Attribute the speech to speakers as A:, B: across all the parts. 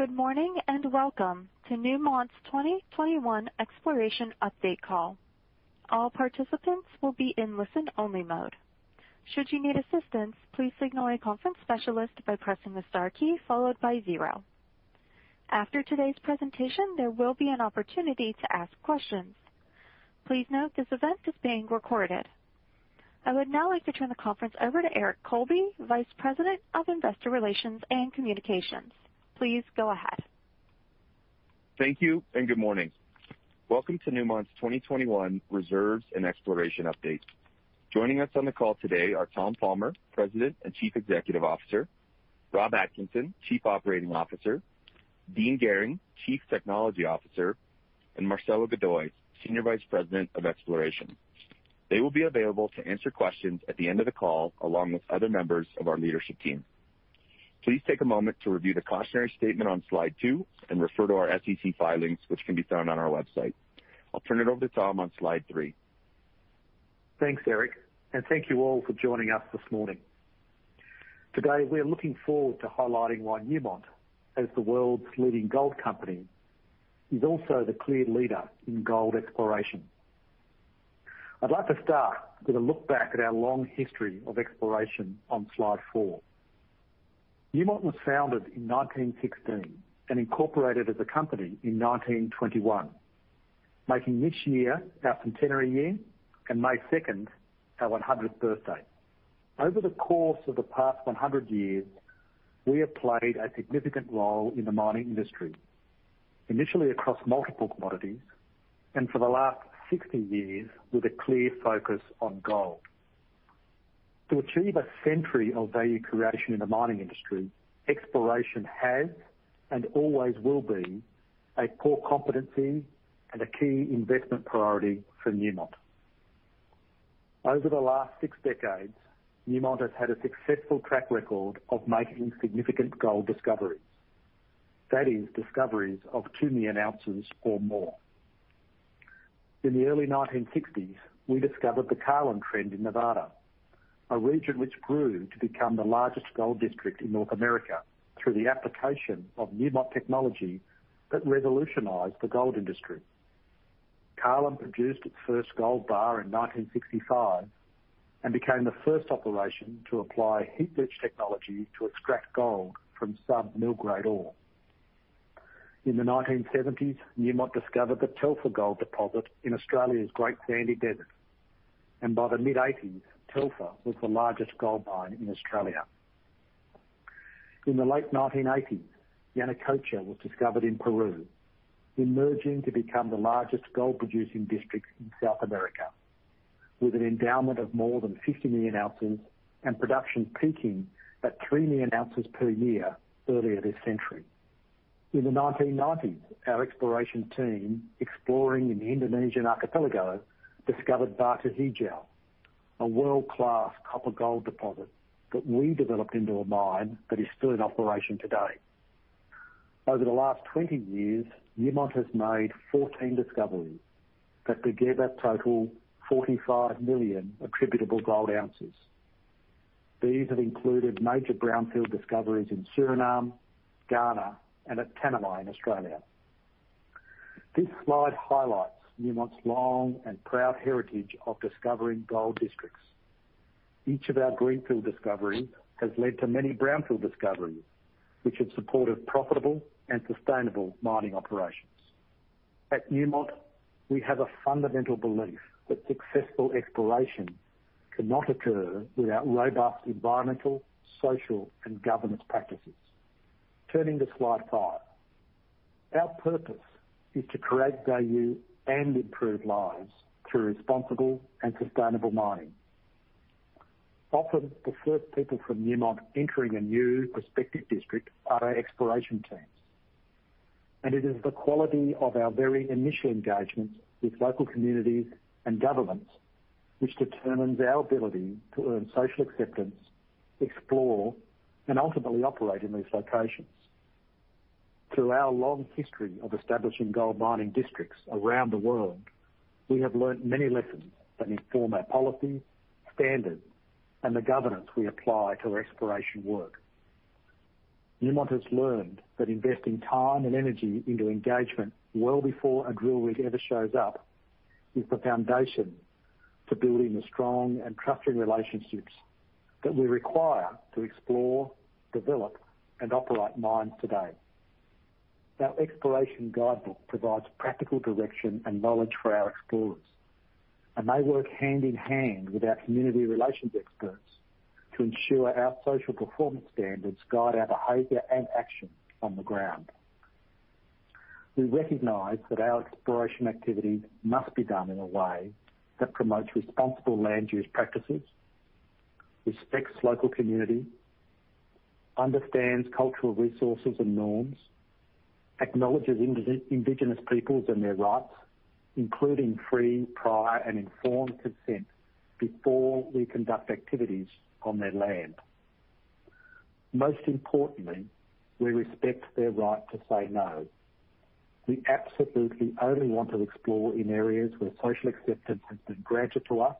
A: Good morning, and welcome to Newmont's 2021 Exploration Update Call. All participants will be in listen-only mode. After today's presentation, there will be an opportunity to ask questions. Please note this event is being recorded. I would now like to turn the conference over to Eric Colby, Vice President of Investor Relations and Communications. Please go ahead.
B: Thank you, and good morning. Welcome to Newmont's 2021 Reserves and Exploration Update. Joining us on the call today are Tom Palmer, President and Chief Executive Officer, Rob Atkinson, Chief Operating Officer, Dean Gehring, Chief Technology Officer, and Marcelo Godoy, Senior Vice President of Exploration. They will be available to answer questions at the end of the call, along with other members of our leadership team. Please take a moment to review the cautionary statement on Slide two, and refer to our SEC filings, which can be found on our website. I'll turn it over to Tom on Slide three.
C: Thanks, Eric. Thank you all for joining us this morning. Today, we are looking forward to highlighting why Newmont, as the world's leading gold company, is also the clear leader in gold exploration. I'd like to start with a look back at our long history of exploration on Slide four. Newmont was founded in 1916 and incorporated as a company in 1921, making this year our centenary year, and May 2nd, our 100th birthday. Over the course of the past 100 years, we have played a significant role in the mining industry, initially across multiple commodities, and for the last 60 years with a clear focus on gold. To achieve a century of value creation in the mining industry, exploration has and always will be a core competency and a key investment priority for Newmont. Over the last six decades, Newmont has had a successful track record of making significant gold discoveries. That is, discoveries of 2 million ounces or more. In the early 1960s, we discovered the Carlin Trend in Nevada, a region which grew to become the largest gold district in North America through the application of Newmont technology that revolutionized the gold industry. Carlin produced its first gold bar in 1965 and became the first operation to apply heap leach technology to extract gold from sub-mill grade ore. In the 1970s, Newmont discovered the Telfer gold deposit in Australia's Great Sandy Desert. By the mid-'80s, Telfer was the largest gold mine in Australia. In the late 1980s, Yanacocha was discovered in Peru, emerging to become the largest gold-producing district in South America, with an endowment of more than 50 million ounces and production peaking at 3 million ounces per year earlier this century. In the 1990s, our exploration team, exploring in the Indonesian archipelago, discovered Batu Hijau, a world-class copper-gold deposit that we developed into a mine that is still in operation today. Over the last 20 years, Newmont has made 14 discoveries that together total 45 million attributable gold ounces. These have included major brownfield discoveries in Suriname, Ghana, and at Tanami in Australia. This slide highlights Newmont's long and proud heritage of discovering gold districts. Each of our greenfield discoveries has led to many brownfield discoveries, which have supported profitable and sustainable mining operations. At Newmont, we have a fundamental belief that successful exploration cannot occur without robust environmental, social, and governance practices. Turning to slide five. Our purpose is to create value and improve lives through responsible and sustainable mining. Often, the first people from Newmont entering a new prospective district are our exploration teams. It is the quality of our very initial engagement with local communities and governments which determines our ability to earn social acceptance, explore, and ultimately operate in these locations. Through our long history of establishing gold mining districts around the world, we have learned many lessons that inform our policy, standards, and the governance we apply to our exploration work. Newmont has learned that investing time and energy into engagement well before a drill rig ever shows up is the foundation to building the strong and trusting relationships that we require to explore, develop, and operate mines today. Our exploration guidebook provides practical direction and knowledge for our explorers, and they work hand in hand with our community relations experts to ensure our social performance standards guide our behavior and action on the ground. We recognize that our exploration activities must be done in a way that promotes responsible land use practices, respects local community, understands cultural resources and norms, acknowledges indigenous peoples and their rights, including free, prior, and informed consent before we conduct activities on their land. Most importantly, we respect their right to say no. We absolutely only want to explore in areas where social acceptance has been granted to us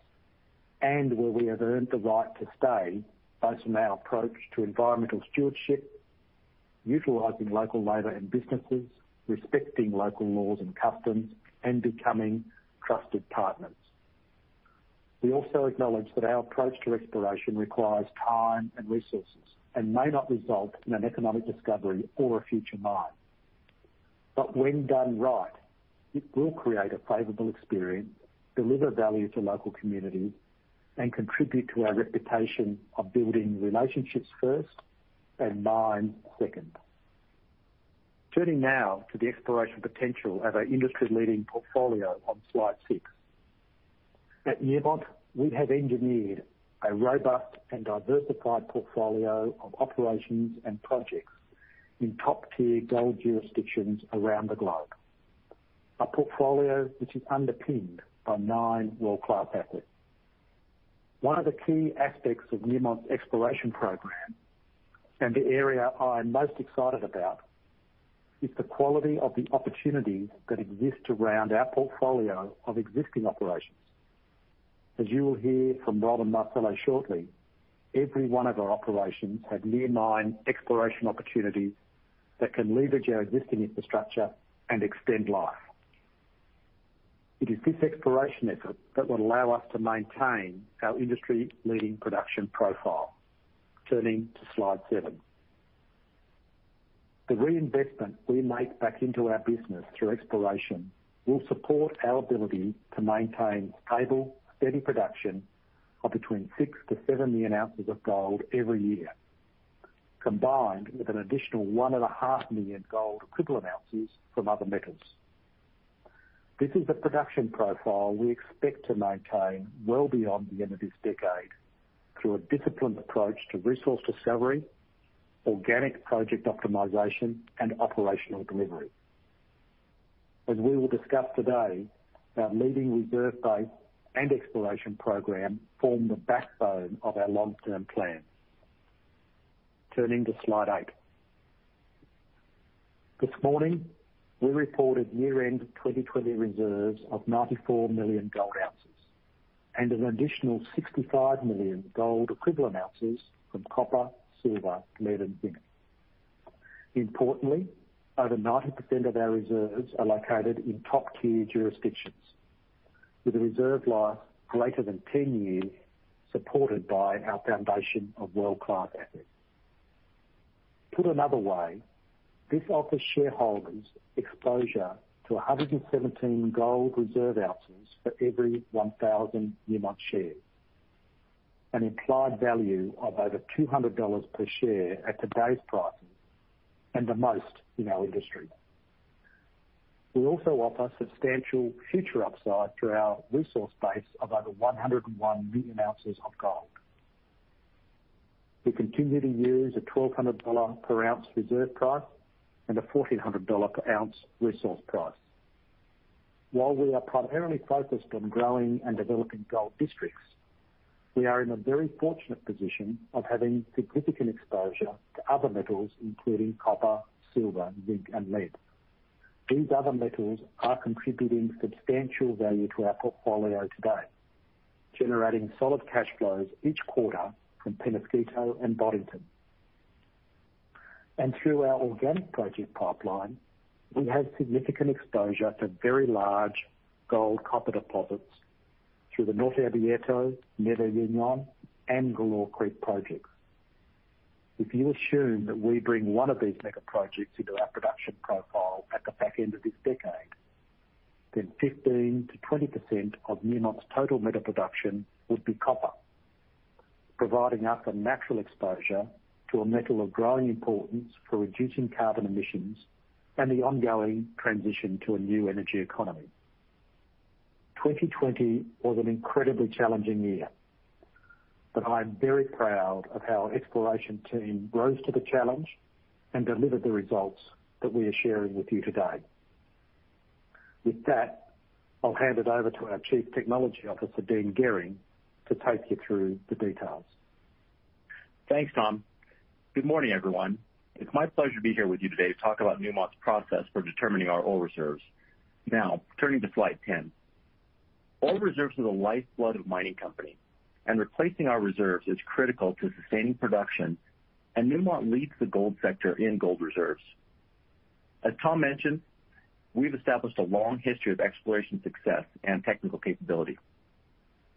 C: and where we have earned the right to stay based on our approach to environmental stewardship, utilizing local labor and businesses, respecting local laws and customs, and becoming trusted partners. We also acknowledge that our approach to exploration requires time and resources, and may not result in an economic discovery or a future mine. When done right, it will create a favorable experience, deliver value to local communities, and contribute to our reputation of building relationships first and mines second. Turning now to the exploration potential of our industry-leading portfolio on slide six. At Newmont, we have engineered a robust and diversified portfolio of operations and projects in top-tier gold jurisdictions around the globe. Our portfolio, which is underpinned by nine world-class assets. One of the key aspects of Newmont's exploration program, and the area I'm most excited about, is the quality of the opportunities that exist around our portfolio of existing operations. As you will hear from Rob and Marcelo shortly, every one of our operations have near mine exploration opportunities that can leverage our existing infrastructure and extend life. It is this exploration effort that will allow us to maintain our industry-leading production profile. Turning to slide seven. The reinvestment we make back into our business through exploration will support our ability to maintain stable, steady production of between 6-7 million ounces of gold every year, combined with an additional 1.5 million gold equivalent ounces from other metals. This is the production profile we expect to maintain well beyond the end of this decade, through a disciplined approach to resource discovery, organic project optimization, and operational delivery. As we will discuss today, our leading reserve base and exploration program form the backbone of our long-term plan. Turning to slide eight. This morning, we reported year-end 2020 reserves of 94 million gold ounces and an additional 65 million gold equivalent ounces from copper, silver, lead, and zinc. Importantly, over 90% of our reserves are located in top-tier jurisdictions with a reserve life greater than 10 years, supported by our foundation of world-class assets. Put another way, this offers shareholders exposure to 117 gold reserve ounces for every 1,000 Newmont shares, an implied value of over $200 per share at today's prices, and the most in our industry. We also offer substantial future upside through our resource base of over 101 million ounces of gold. We continue to use a $1,200 per ounce reserve price and a $1,400 per ounce resource price. While we are primarily focused on growing and developing gold districts, we are in a very fortunate position of having significant exposure to other metals, including copper, silver, zinc, and lead. These other metals are contributing substantial value to our portfolio today, generating solid cash flows each quarter from Peñasquito and Boddington. Through our organic project pipeline, we have significant exposure to very large gold-copper deposits through the Norte Abierto, NuevaUnión, and Galore Creek projects. If you assume that we bring one of these mega projects into our production profile at the back end of this decade, then 15%-20% of Newmont's total metal production would be copper. Providing us a natural exposure to a metal of growing importance for reducing carbon emissions and the ongoing transition to a new energy economy. 2020 was an incredibly challenging year, but I'm very proud of how our exploration team rose to the challenge and delivered the results that we are sharing with you today. With that, I'll hand it over to our Chief Technology Officer, Dean Gehring, to take you through the details.
D: Thanks, Tom. Good morning, everyone. It's my pleasure to be here with you today to talk about Newmont's process for determining our ore reserves. Turning to slide ten. Ore reserves are the lifeblood of a mining company. Replacing our reserves is critical to sustaining production. Newmont leads the gold sector in gold reserves. As Tom mentioned, we've established a long history of exploration success and technical capability.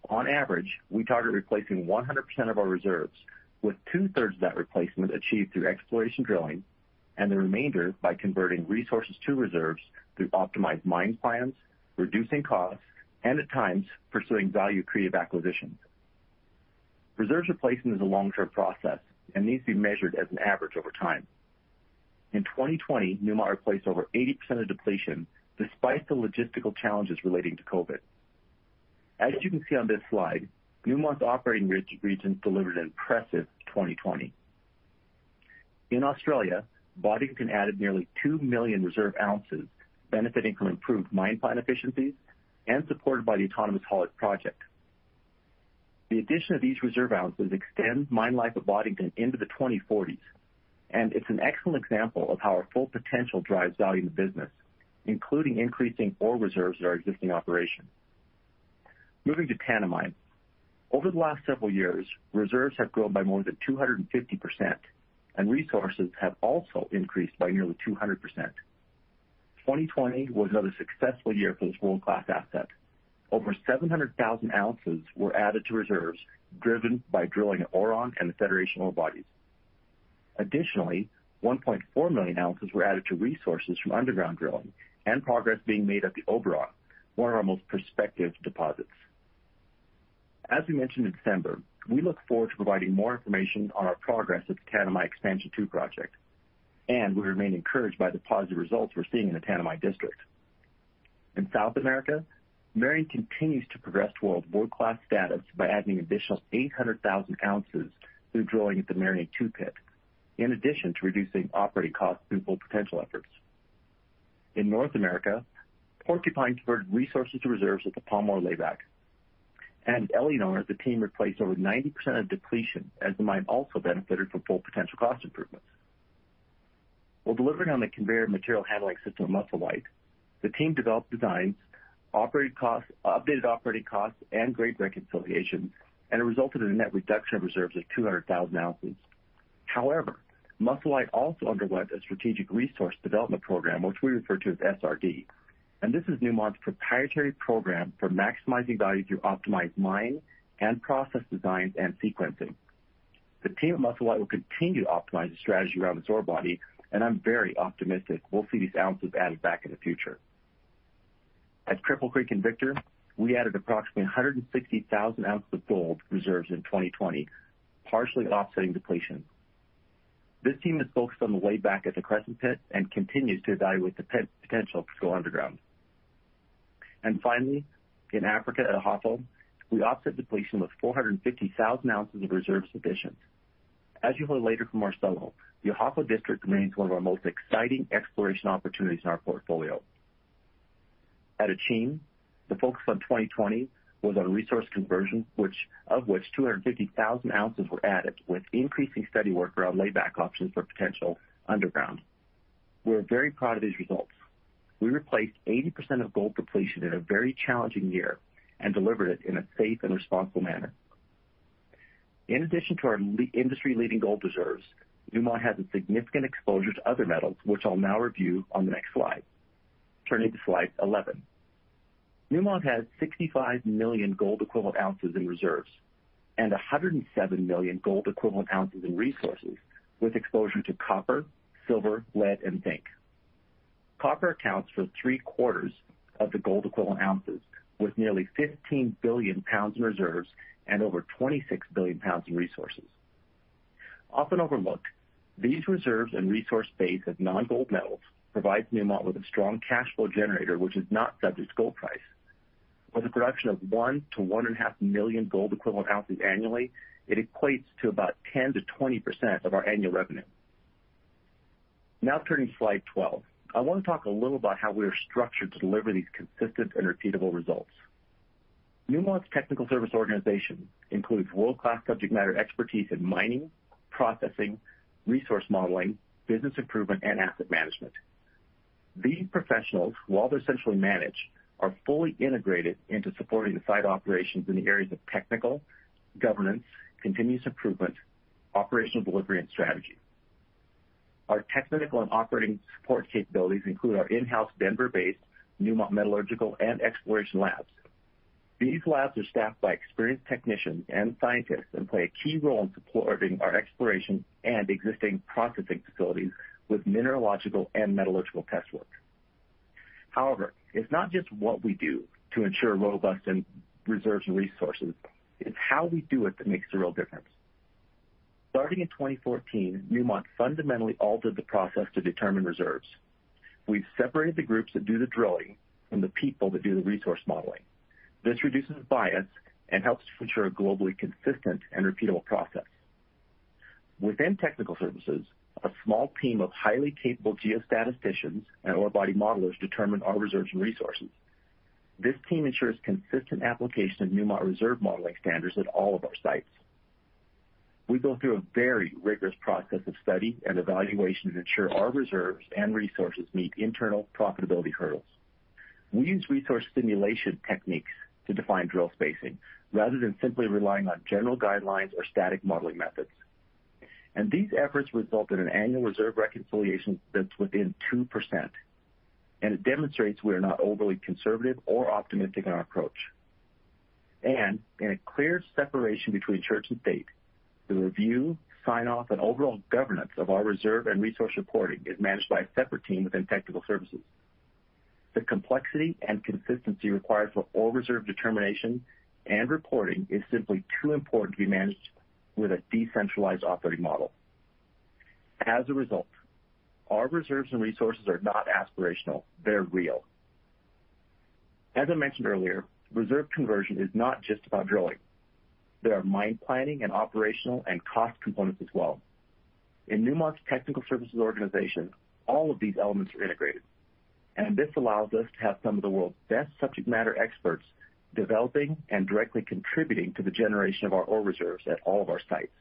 D: On average, we target replacing 100% of our reserves, with two-thirds of that replacement achieved through exploration drilling and the remainder by converting resources to reserves through optimized mine plans, reducing costs, and, at times, pursuing value-creative acquisitions. Reserves replacement is a long-term process and needs to be measured as an average over time. In 2020, Newmont replaced over 80% of depletion despite the logistical challenges relating to COVID. As you can see on this slide, Newmont's operating regions delivered an impressive 2020. In Australia, Boddington added nearly 2 million reserve ounces benefiting from improved mine plan efficiencies and supported by the autonomous haulage project. The addition of these reserve ounces extends mine life of Boddington into the 2040s, and it's an excellent example of how our Full Potential drives value in the business, including increasing ore reserves at our existing operation. Moving to Tanami. Over the last several years, reserves have grown by more than 250%, and resources have also increased by nearly 200%. 2020 was another successful year for this world-class asset. Over 700,000 ounces were added to reserves, driven by drilling at Auron and the Federation ore bodies. Additionally, 1.4 million ounces were added to resources from underground drilling and progress being made at the Oberon, one of our most prospective deposits. As we mentioned in December, we look forward to providing more information on our progress at the Tanami Expansion 2 project, and we remain encouraged by the positive results we're seeing in the Tanami district. In South America, Merian continues to progress towards world-class status by adding an additional 800,000 ounces through drilling at the Merian 2 pit, in addition to reducing operating costs through Full Potential efforts. In North America, Porcupine converted resources to reserves at the Pamour layback. Éléonore, the team replaced over 90% of depletion as the mine also benefited from Full Potential cost improvements. While delivering on the conveyor material handling system at Musselwhite, the team developed designs, updated operating costs, and grade reconciliation, and it resulted in a net reduction of reserves of 200,000 ounces. However, Musselwhite also underwent a Strategic Resource Development program, which we refer to as SRD. This is Newmont's proprietary program for maximizing value through optimized mining and process designs and sequencing. The team at Musselwhite will continue to optimize the strategy around its ore body. I'm very optimistic we'll see these ounces added back in the future. At Cripple Creek and Victor, we added approximately 160,000 ounces of gold reserves in 2020, partially offsetting depletion. This team is focused on the layback at the Cresson Pit and continues to evaluate the potential to go underground. Finally, in Africa at Ahafo, we offset depletion with 450,000 ounces of reserves additions. As you'll hear later from Marcelo, the Ahafo district remains one of our most exciting exploration opportunities in our portfolio. At Akyem, the focus on 2020 was on resource conversion, of which 250,000 ounces were added, with increasing study work around layback options for potential underground. We're very proud of these results. We replaced 80% of gold depletion in a very challenging year and delivered it in a safe and responsible manner. In addition to our industry-leading gold reserves, Newmont has a significant exposure to other metals, which I'll now review on the next slide. Turning to slide 11. Newmont has 65 million gold equivalent ounces in reserves and 107 million gold equivalent ounces in resources, with exposure to copper, silver, lead, and zinc. Copper accounts for three-quarters of the gold equivalent ounces, with nearly 15 billion pounds in reserves and over 26 billion pounds in resources. Often overlooked, these reserves and resource base of non-gold metals provides Newmont with a strong cash flow generator, which is not subject to gold price. With a production of one million to one and a half million gold equivalent ounces annually, it equates to about 10%-20% of our annual revenue. Turning to slide 12. I want to talk a little about how we are structured to deliver these consistent and repeatable results. Newmont's technical service organization includes world-class subject matter expertise in mining, processing, resource modeling, business improvement, and asset management. These professionals, while they're centrally managed, are fully integrated into supporting the site operations in the areas of technical, governance, continuous improvement, operational delivery, and strategy. Our technical and operating support capabilities include our in-house Denver-based Newmont Metallurgical and Exploration labs. These labs are staffed by experienced technicians and scientists and play a key role in supporting our exploration and existing processing facilities with mineralogical and metallurgical test work. However, it's not just what we do to ensure robust reserves and resources, it's how we do it that makes the real difference. Starting in 2014, Newmont fundamentally altered the process to determine reserves. We've separated the groups that do the drilling from the people that do the resource modeling. This reduces bias and helps to ensure a globally consistent and repeatable process. Within technical services, a small team of highly capable geostatisticians and ore body modelers determine our reserves and resources. This team ensures consistent application of Newmont reserve modeling standards at all of our sites. We go through a very rigorous process of study and evaluation to ensure our reserves and resources meet internal profitability hurdles. We use resource simulation techniques to define drill spacing rather than simply relying on general guidelines or static modeling methods. These efforts result in an annual reserve reconciliation that's within 2%, and it demonstrates we are not overly conservative or optimistic in our approach. In a clear separation between church and state, the review, sign-off, and overall governance of our reserve and resource reporting is managed by a separate team within technical services. The complexity and consistency required for ore reserve determination and reporting is simply too important to be managed with a decentralized operating model. As a result, our reserves and resources are not aspirational, they're real. As I mentioned earlier, reserve conversion is not just about drilling. There are mine planning and operational and cost components as well. In Newmont's technical services organization, all of these elements are integrated. This allows us to have some of the world's best subject matter experts developing and directly contributing to the generation of our ore reserves at all of our sites.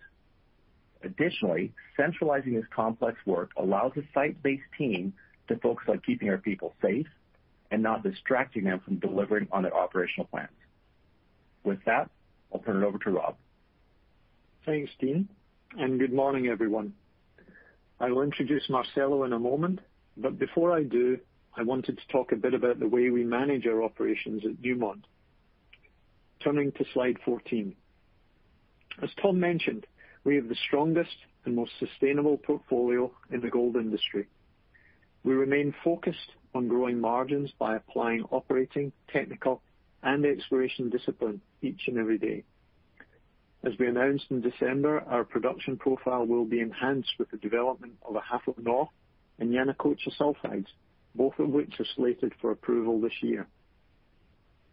D: Additionally, centralizing this complex work allows a site-based team to focus on keeping our people safe and not distracting them from delivering on their operational plans. With that, I'll turn it over to Rob.
E: Thanks, Dean. Good morning, everyone. I will introduce Marcelo in a moment, but before I do, I wanted to talk a bit about the way we manage our operations at Newmont. Turning to slide 14. As Tom mentioned, we have the strongest and most sustainable portfolio in the gold industry. We remain focused on growing margins by applying operating, technical, and exploration discipline each and every day. As we announced in December, our production profile will be enhanced with the development of Ahafo North and Yanacocha Sulfides, both of which are slated for approval this year.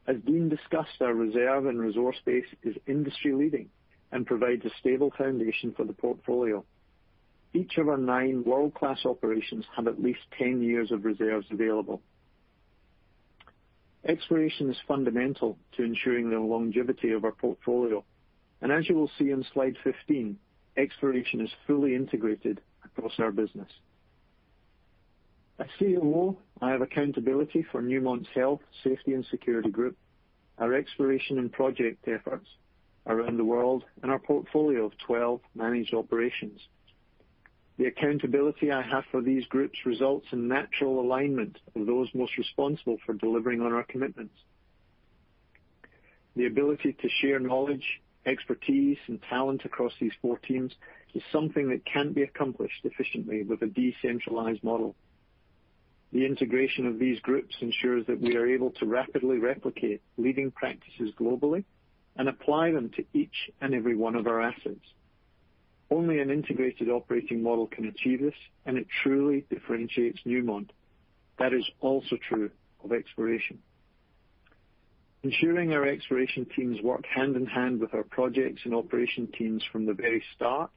E: As Dean discussed, our reserve and resource base is industry-leading and provides a stable foundation for the portfolio. Each of our nine world-class operations have at least 10 years of reserves available. Exploration is fundamental to ensuring the longevity of our portfolio, and as you will see on slide 15, exploration is fully integrated across our business. As COO, I have accountability for Newmont's health, safety, and security group, our exploration and project efforts around the world, and our portfolio of 12 managed operations. The accountability I have for these groups results in natural alignment of those most responsible for delivering on our commitments. The ability to share knowledge, expertise, and talent across these four teams is something that can't be accomplished efficiently with a decentralized model. The integration of these groups ensures that we are able to rapidly replicate leading practices globally and apply them to each and every one of our assets. Only an integrated operating model can achieve this, and it truly differentiates Newmont. That is also true of exploration. Ensuring our exploration teams work hand-in-hand with our projects and operation teams from the very start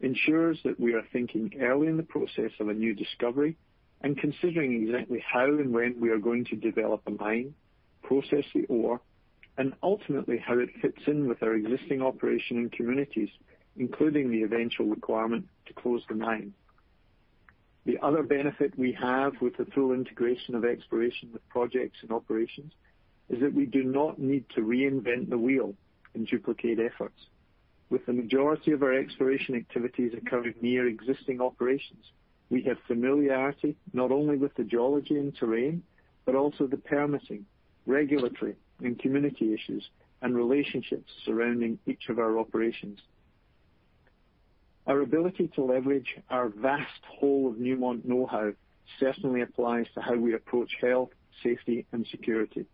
E: ensures that we are thinking early in the process of a new discovery and considering exactly how and when we are going to develop a mine, process the ore, and ultimately how it fits in with our existing operation and communities, including the eventual requirement to close the mine. The other benefit we have with the full integration of exploration with projects and operations is that we do not need to reinvent the wheel and duplicate efforts. With the majority of our exploration activities occurring near existing operations, we have familiarity not only with the geology and terrain, but also the permitting, regulatory, and community issues, and relationships surrounding each of our operations. Our ability to leverage our vast whole of Newmont knowhow certainly applies to how we approach health, safety, and security.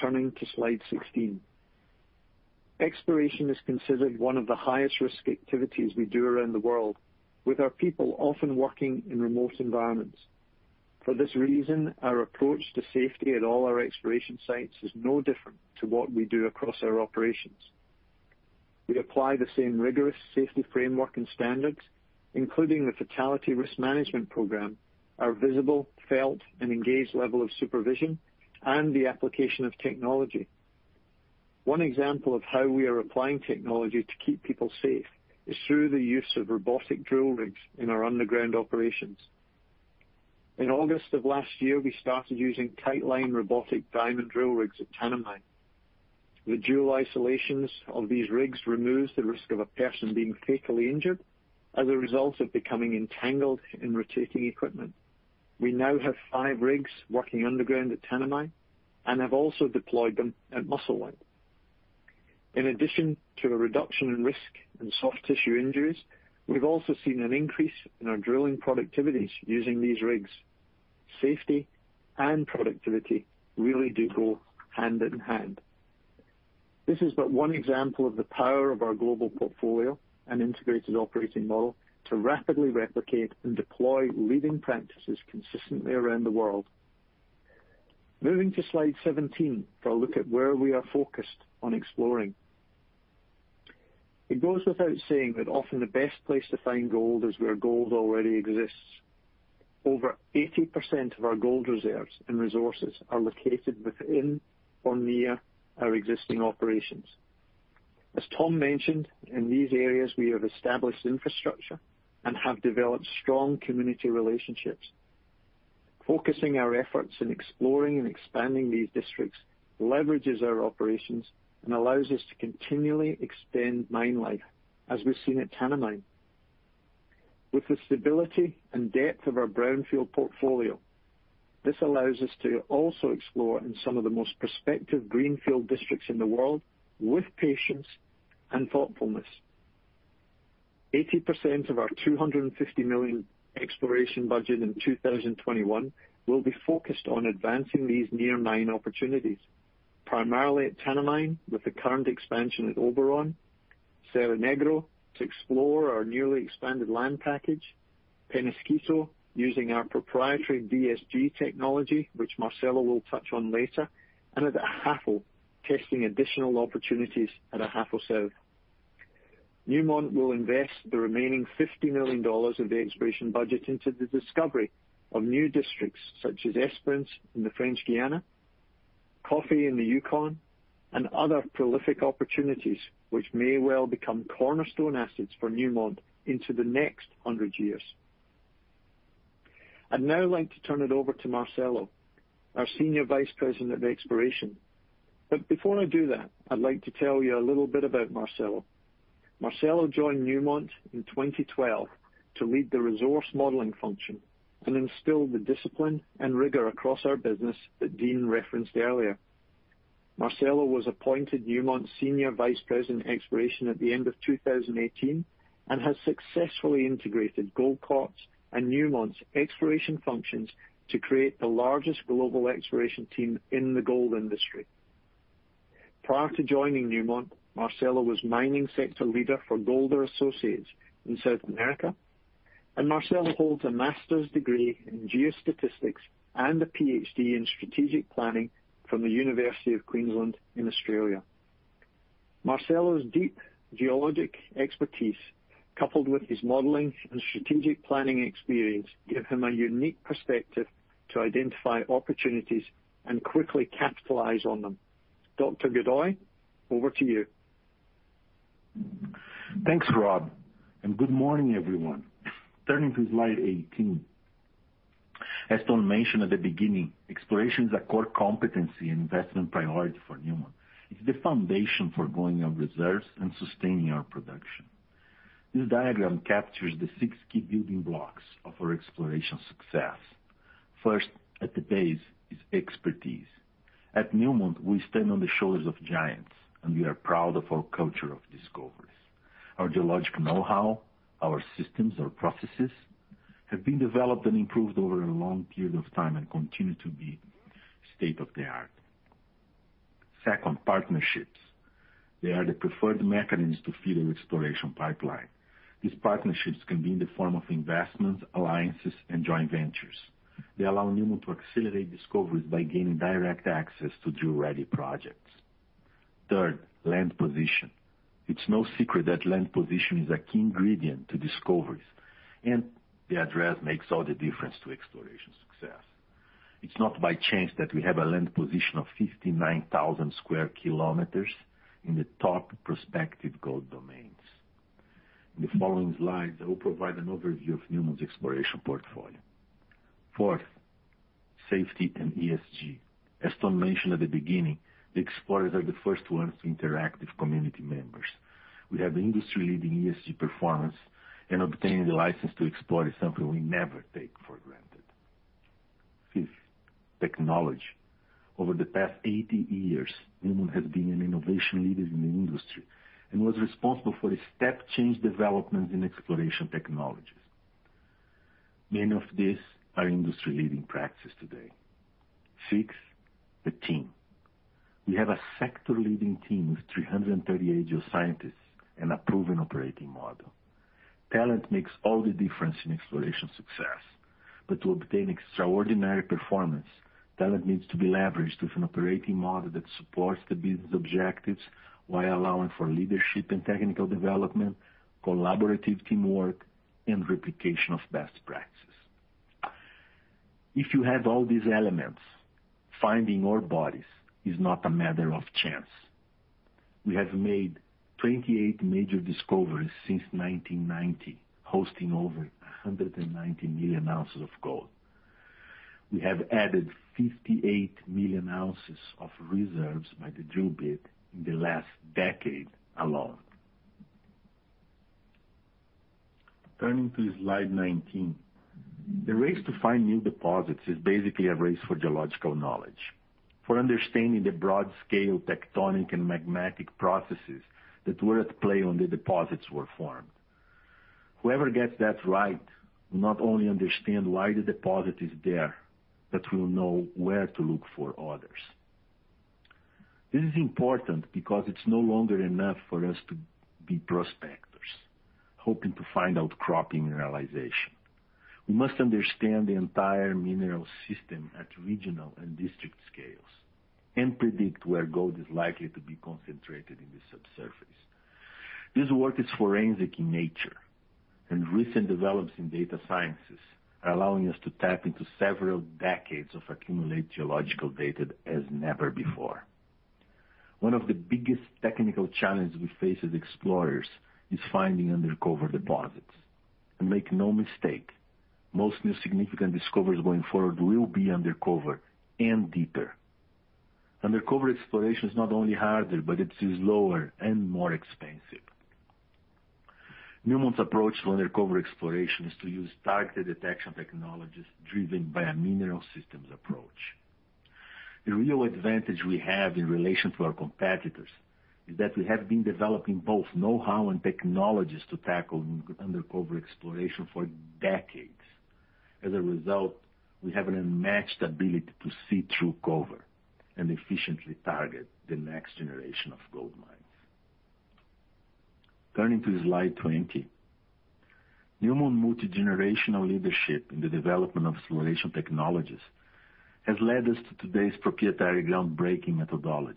E: Turning to slide 16. Exploration is considered one of the highest-risk activities we do around the world, with our people often working in remote environments. For this reason, our approach to safety at all our exploration sites is no different to what we do across our operations. We apply the same rigorous safety framework and standards, including the fatality risk management program, our visible, felt, and engaged level of supervision, and the application of technology. One example of how we are applying technology to keep people safe is through the use of robotic drill rigs in our underground operations. In August of last year, we started using Titeline robotic diamond drill rigs at Tanami. The dual isolations of these rigs removes the risk of a person being fatally injured as a result of becoming entangled in rotating equipment. We now have five rigs working underground at Tanami and have also deployed them at Musselwhite. In addition to a reduction in risk and soft tissue injuries, we've also seen an increase in our drilling productivities using these rigs. Safety and productivity really do go hand-in-hand. This is but one example of the power of our global portfolio and integrated operating model to rapidly replicate and deploy leading practices consistently around the world. Moving to slide 17 for a look at where we are focused on exploring. It goes without saying that often the best place to find gold is where gold already exists. Over 80% of our gold reserves and resources are located within or near our existing operations. As Tom mentioned, in these areas, we have established infrastructure and have developed strong community relationships. Focusing our efforts in exploring and expanding these districts leverages our operations and allows us to continually extend mine life, as we've seen at Tanami. With the stability and depth of our brownfield portfolio, this allows us to also explore in some of the most prospective greenfield districts in the world with patience and thoughtfulness. 80% of our $250 million exploration budget in 2021 will be focused on advancing these near mine opportunities, primarily at Tanami with the current expansion at Oberon, Cerro Negro to explore our newly expanded land package, Peñasquito using our proprietary DSG technology, which Marcelo will touch on later, and at Ahafo testing additional opportunities at Ahafo South. Newmont will invest the remaining $50 million of the exploration budget into the discovery of new districts, such as Esperance in the French Guiana, Coffee in the Yukon, and other prolific opportunities which may well become cornerstone assets for Newmont into the next 100 years. I'd now like to turn it over to Marcelo, our Senior Vice President, Exploration. Before I do that, I'd like to tell you a little bit about Marcelo. Marcelo joined Newmont in 2012 to lead the resource modeling function and instill the discipline and rigor across our business that Dean referenced earlier. Marcelo was appointed Newmont's Senior Vice President, Exploration at the end of 2018, has successfully integrated Goldcorp's and Newmont's exploration functions to create the largest global exploration team in the gold industry. Prior to joining Newmont, Marcelo was mining sector leader for Golder Associates in South America. Marcelo holds a master's degree in geostatistics and a PhD in strategic planning from the University of Queensland in Australia. Marcelo's deep geologic expertise, coupled with his modeling and strategic planning experience, give him a unique perspective to identify opportunities and quickly capitalize on them. Dr. Godoy, over to you.
F: Thanks, Rob. Good morning, everyone. Turning to slide 18. As Tom mentioned at the beginning, exploration is a core competency and investment priority for Newmont. It's the foundation for growing our reserves and sustaining our production. This diagram captures the six key building blocks of our exploration success. First, at the base is expertise. At Newmont, we stand on the shoulders of giants, and we are proud of our culture of discoveries. Our geological knowhow, our systems, our processes have been developed and improved over a long period of time and continue to be state-of-the-art. Second, partnerships. They are the preferred mechanism to feed our exploration pipeline. These partnerships can be in the form of investments, alliances, and joint ventures. They allow Newmont to accelerate discoveries by gaining direct access to drill-ready projects. Third, land position. It's no secret that land position is a key ingredient to discoveries, and the address makes all the difference to exploration success. It's not by chance that we have a land position of 59,000 sq km in the top prospective gold domains. In the following slides, I will provide an overview of Newmont's exploration portfolio. Fourth, safety and ESG. As Tom mentioned at the beginning, the explorers are the first ones to interact with community members. We have industry-leading ESG performance, and obtaining the license to explore is something we never take for granted. Fifth, technology. Over the past 80 years, Newmont has been an innovation leader in the industry and was responsible for a step change development in exploration technologies. Many of these are industry-leading practices today. Six, the team. We have a sector-leading team of 338 geoscientists and a proven operating model. Talent makes all the difference in exploration success. But to obtain extraordinary performance, talent needs to be leveraged with an operating model that supports the business objectives while allowing for leadership and technical development, collaborative teamwork, and replication of best practices. If you have all these elements, finding ore bodies is not a matter of chance. We have made 28 major discoveries since 1990, hosting over 190 million ounces of gold. We have added 58 million ounces of reserves by the drill bit in the last decade alone. Turning to slide 19. The race to find new deposits is basically a race for geological knowledge, for understanding the broad-scale tectonic and magmatic processes that were at play when the deposits were formed. Whoever gets that right will not only understand why the deposit is there, but will know where to look for others. This is important because it is no longer enough for us to be prospectors, hoping to find outcropping mineralization. We must understand the entire mineral system at regional and district scales and predict where gold is likely to be concentrated in the subsurface. This work is forensic in nature, and recent developments in data sciences are allowing us to tap into several decades of accumulated geological data as never before. One of the biggest technical challenges we face as explorers is finding undercover deposits. Make no mistake, most new significant discoveries going forward will be undercover and deeper. Undercover exploration is not only harder, but it is slower and more expensive. Newmont's approach to undercover exploration is to use targeted detection technologies driven by a mineral systems approach. The real advantage we have in relation to our competitors is that we have been developing both knowhow and technologies to tackle undercover exploration for decades. As a result, we have an unmatched ability to see through cover and efficiently target the next generation of gold mines. Turning to slide 20. Newmont multigenerational leadership in the development of exploration technologies has led us to today's proprietary groundbreaking methodologies.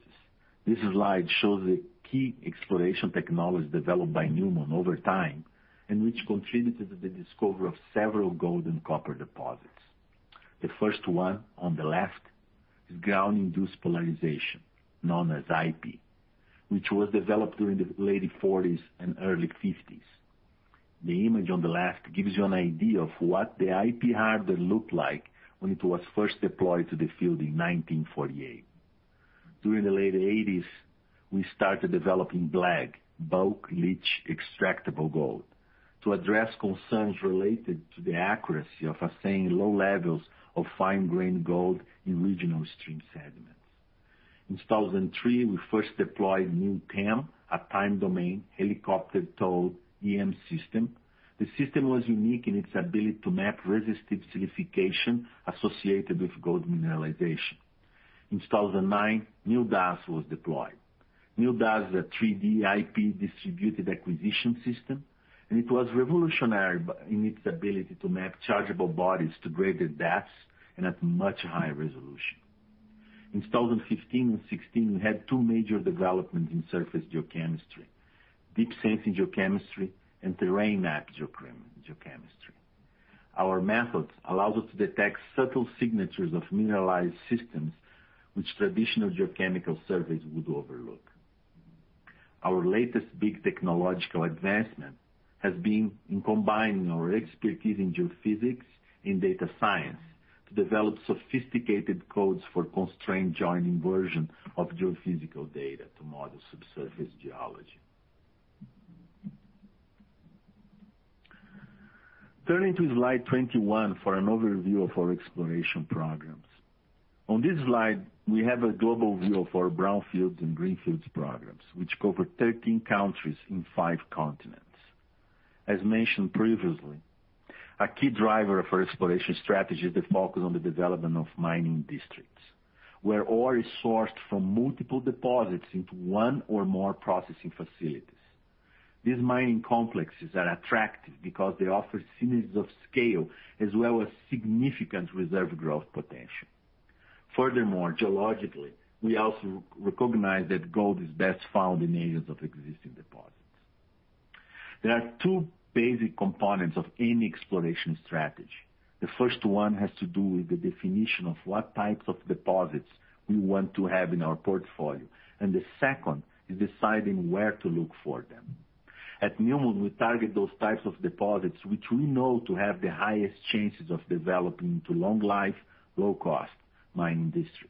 F: This slide shows the key exploration technologies developed by Newmont over time, and which contributed to the discovery of several gold and copper deposits. The first one on the left is ground-induced polarization, known as IP, which was developed during the late 1940s and early 1950s. The image on the left gives you an idea of what the IP hardware looked like when it was first deployed to the field in 1948. During the late 1980s, we started developing BLEG, bulk leach extractable gold, to address concerns related to the accuracy of assaying low levels of fine-grain gold in regional stream sediments. In 2003, we first deployed NewTEM, a time-domain, helicopter-towed EM system. The system was unique in its ability to map resistive silicification associated with gold mineralization. In 2009, NewDAS was deployed. NewDAS is a 3D IP distributed acquisition system. It was revolutionary in its ability to map chargeable bodies to greater depths and at much higher resolution. In 2015 and 2016, we had two major developments in surface geochemistry: Deep Sensing Geochemistry and TerraneMAP geochemistry. Our methods allow us to detect subtle signatures of mineralized systems which traditional geochemical surveys would overlook. Our latest big technological advancement has been in combining our expertise in geophysics and data science to develop sophisticated codes for constrained joint inversion of geophysical data to model subsurface geology. Turning to slide 21 for an overview of our exploration programs. On this slide, we have a global view of our brownfields and greenfields programs, which cover 13 countries in five continents. As mentioned previously, a key driver of our exploration strategy is the focus on the development of mining districts, where ore is sourced from multiple deposits into one or more processing facilities. These mining complexes are attractive because they offer synergies of scale as well as significant reserve growth potential. Furthermore, geologically, we also recognize that gold is best found in areas of existing deposits. There are two basic components of any exploration strategy. The first one has to do with the definition of what types of deposits we want to have in our portfolio, and the second is deciding where to look for them. At Newmont, we target those types of deposits which we know to have the highest chances of developing into long-life, low-cost mining districts.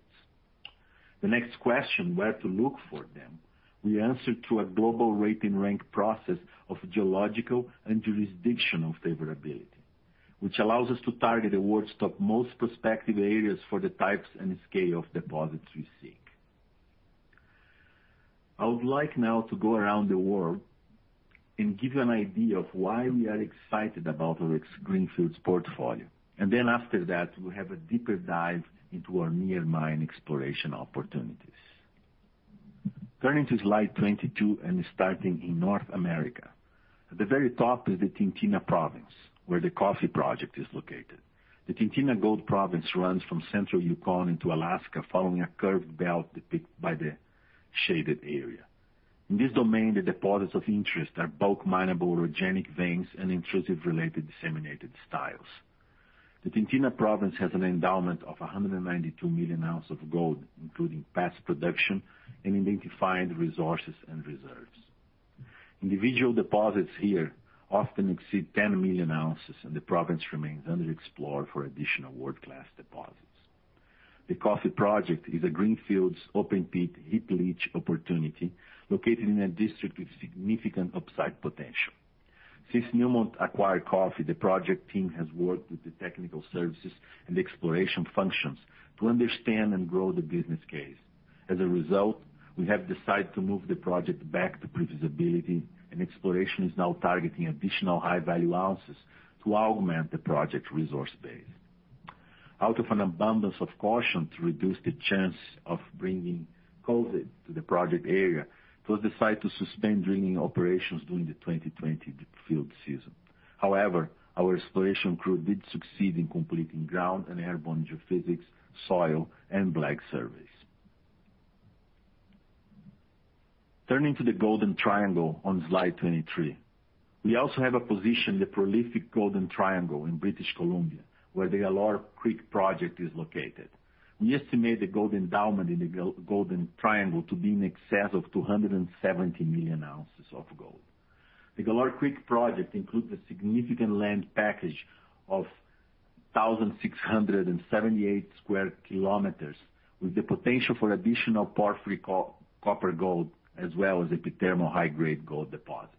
F: The next question, where to look for them, we answer through a global rate and rank process of geological and jurisdictional favorability, which allows us to target the world's top most prospective areas for the types and scale of deposits we seek. I would like now to go around the world and give you an idea of why we are excited about our greenfields portfolio. Then after that, we'll have a deeper dive into our near mine exploration opportunities. Turning to slide 22 and starting in North America. At the very top is the Tintina Province, where the Coffee Project is located. The Tintina Gold Province runs from central Yukon into Alaska, following a curved belt depicted by the shaded area. In this domain, the deposits of interest are bulk mineable orogenic veins and intrusive related disseminated styles. The Tintina Province has an endowment of 192 million ounces of gold, including past production and identified resources and reserves. Individual deposits here often exceed 10 million ounces, and the province remains underexplored for additional world-class deposits. The Coffee Project is a greenfields open pit heap leach opportunity located in a district with significant upside potential. Since Newmont acquired Coffee, the project team has worked with the technical services and exploration functions to understand and grow the business case. As a result, we have decided to move the project back to pre-feasibility, and exploration is now targeting additional high-value ounces to augment the project resource base. Out of an abundance of caution to reduce the chance of bringing COVID to the project area, it was decided to suspend drilling operations during the 2020 field season. However, our exploration crew did succeed in completing ground and airborne geophysics, soil and BLEG surveys. Turning to the Golden Triangle on slide 23. We also have a position in the prolific Golden Triangle in British Columbia, where the Galore Creek project is located. We estimate the gold endowment in the Golden Triangle to be in excess of 270 million ounces of gold. The Galore Creek project includes a significant land package of 1,678 sq km, with the potential for additional porphyry copper-gold as well as epithermal high-grade gold deposits.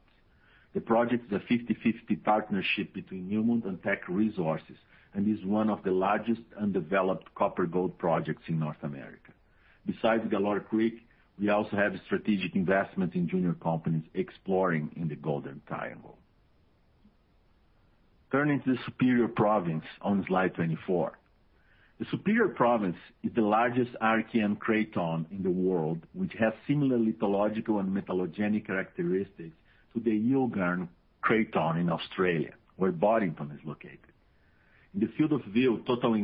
F: The project is a 50/50 partnership between Newmont and Teck Resources, and is one of the largest undeveloped copper-gold projects in North America. Besides Galore Creek, we also have strategic investments in junior companies exploring in the Golden Triangle. Turning to the Superior Province on slide 24. The Superior Province is the largest Archean craton in the world, which has similar lithological and metallogenic characteristics to the Yilgarn Craton in Australia, where Boddington is located. In the field of view, total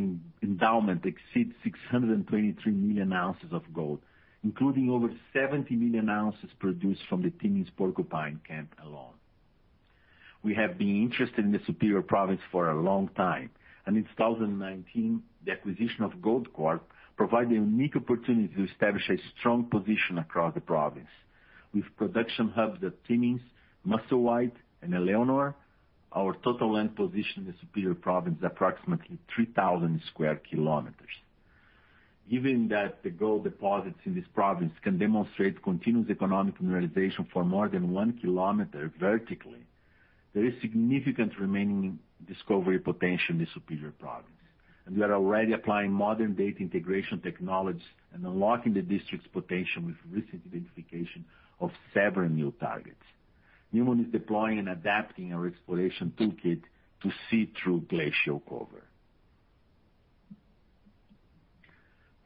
F: endowment exceeds 623 million ounces of gold, including over 70 million ounces produced from the Timmins Porcupine camp alone. We have been interested in the Superior Province for a long time, and in 2019, the acquisition of Goldcorp provided a unique opportunity to establish a strong position across the province. With production hubs at Timmins, Musselwhite, and Éléonore, our total land position in the Superior Province is approximately 3,000 sq km. Given that the gold deposits in this province can demonstrate continuous economic mineralization for more than 1 km vertically, there is significant remaining discovery potential in the Superior Province, and we are already applying modern data integration technologies and unlocking the district's potential with recent identification of several new targets. Newmont is deploying and adapting our exploration toolkit to see through glacial cover.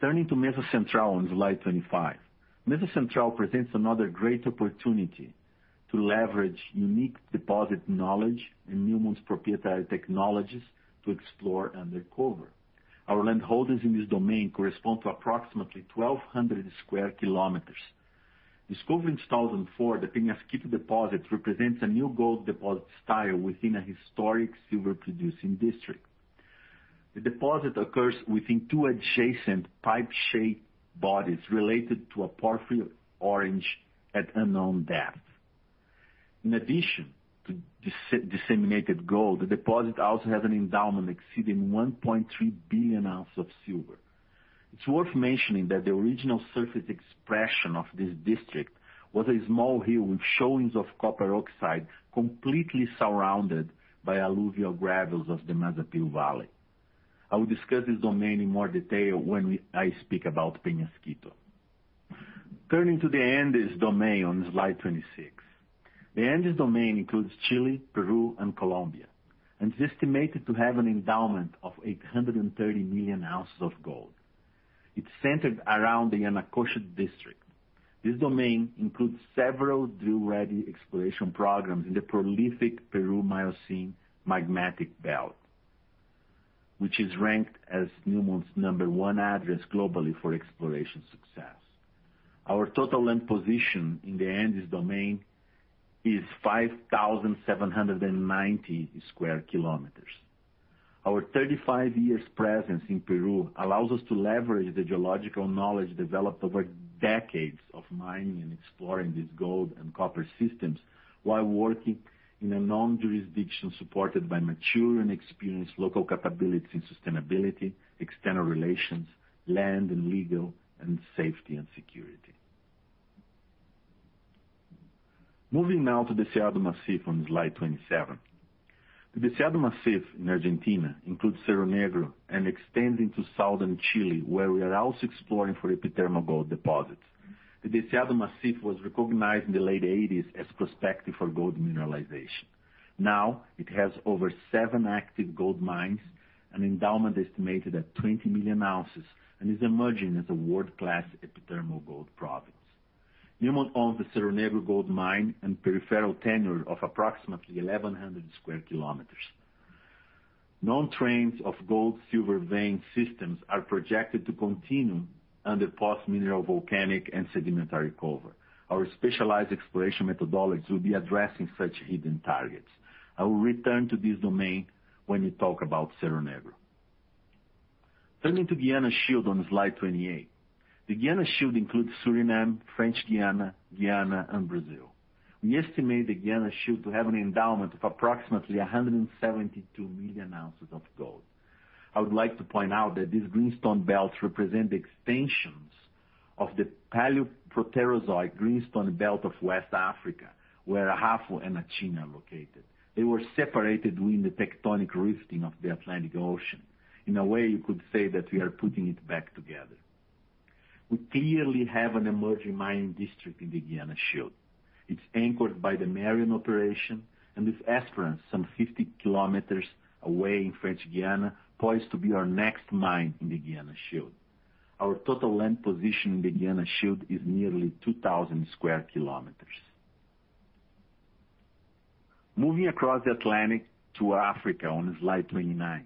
F: Turning to Mesa Central on slide 25. Mesa Central presents another great opportunity to leverage unique deposit knowledge and Newmont's proprietary technologies to explore and uncover. Our land holdings in this domain correspond to approximately 1,200 sq km. Discovered in 2004, the Peñasquito deposit represents a new gold deposit style within a historic silver-producing district. The deposit occurs within two adjacent pipe-shaped bodies related to a porphyry origin at unknown depth. In addition to disseminated gold, the deposit also has an endowment exceeding 1.3 billion ounces of silver. It's worth mentioning that the original surface expression of this district was a small hill with showings of copper oxide completely surrounded by alluvial gravels of the Mazapil Valley. I will discuss this domain in more detail when I speak about Peñasquito. Turning to the Andes Domain on slide 26. The Andes Domain includes Chile, Peru, and Colombia, is estimated to have an endowment of 830 million ounces of gold. It's centered around the Yanacocha District. This domain includes several drill-ready exploration programs in the prolific Peru Miocene Magmatic Belt, which is ranked as Newmont's number one address globally for exploration success. Our total land position in the Andes Domain is 5,790 sq km. Our 35 years presence in Peru allows us to leverage the geological knowledge developed over decades of mining and exploring these gold and copper systems while working in a known jurisdiction supported by mature and experienced local capabilities in sustainability, external relations, land and legal, and safety and security. Moving now to the Deseado Massif on slide 27. The Deseado Massif in Argentina includes Cerro Negro and extends into southern Chile, where we are also exploring for epithermal gold deposits. The Deseado Massif was recognized in the late 1980s as prospective for gold mineralization. Now, it has over seven active gold mines, an endowment estimated at 20 million ounces, and is emerging as a world-class epithermal gold province. Newmont owns the Cerro Negro gold mine and peripheral tenure of approximately 1,100 sq km. Known trends of gold-silver vein systems are projected to continue under post-mineral volcanic and sedimentary cover. Our specialized exploration methodologies will be addressing such hidden targets. I will return to this domain when we talk about Cerro Negro. Turning to Guiana Shield on slide 28. The Guiana Shield includes Suriname, French Guiana, Guyana, and Brazil. We estimate the Guiana Shield to have an endowment of approximately 172 million ounces of gold. I would like to point out that these greenstone belts represent the extensions of the Paleoproterozoic greenstone belt of West Africa, where Ahafo and Akyem are located. They were separated during the tectonic rifting of the Atlantic Ocean. In a way, you could say that we are putting it back together. We clearly have an emerging mining district in the Guiana Shield. It's anchored by the Merian operation and with Esperance some 50 km away in French Guiana, poised to be our next mine in the Guiana Shield. Our total land position in the Guiana Shield is nearly 2,000 sq km. Moving across the Atlantic to Africa on slide 29.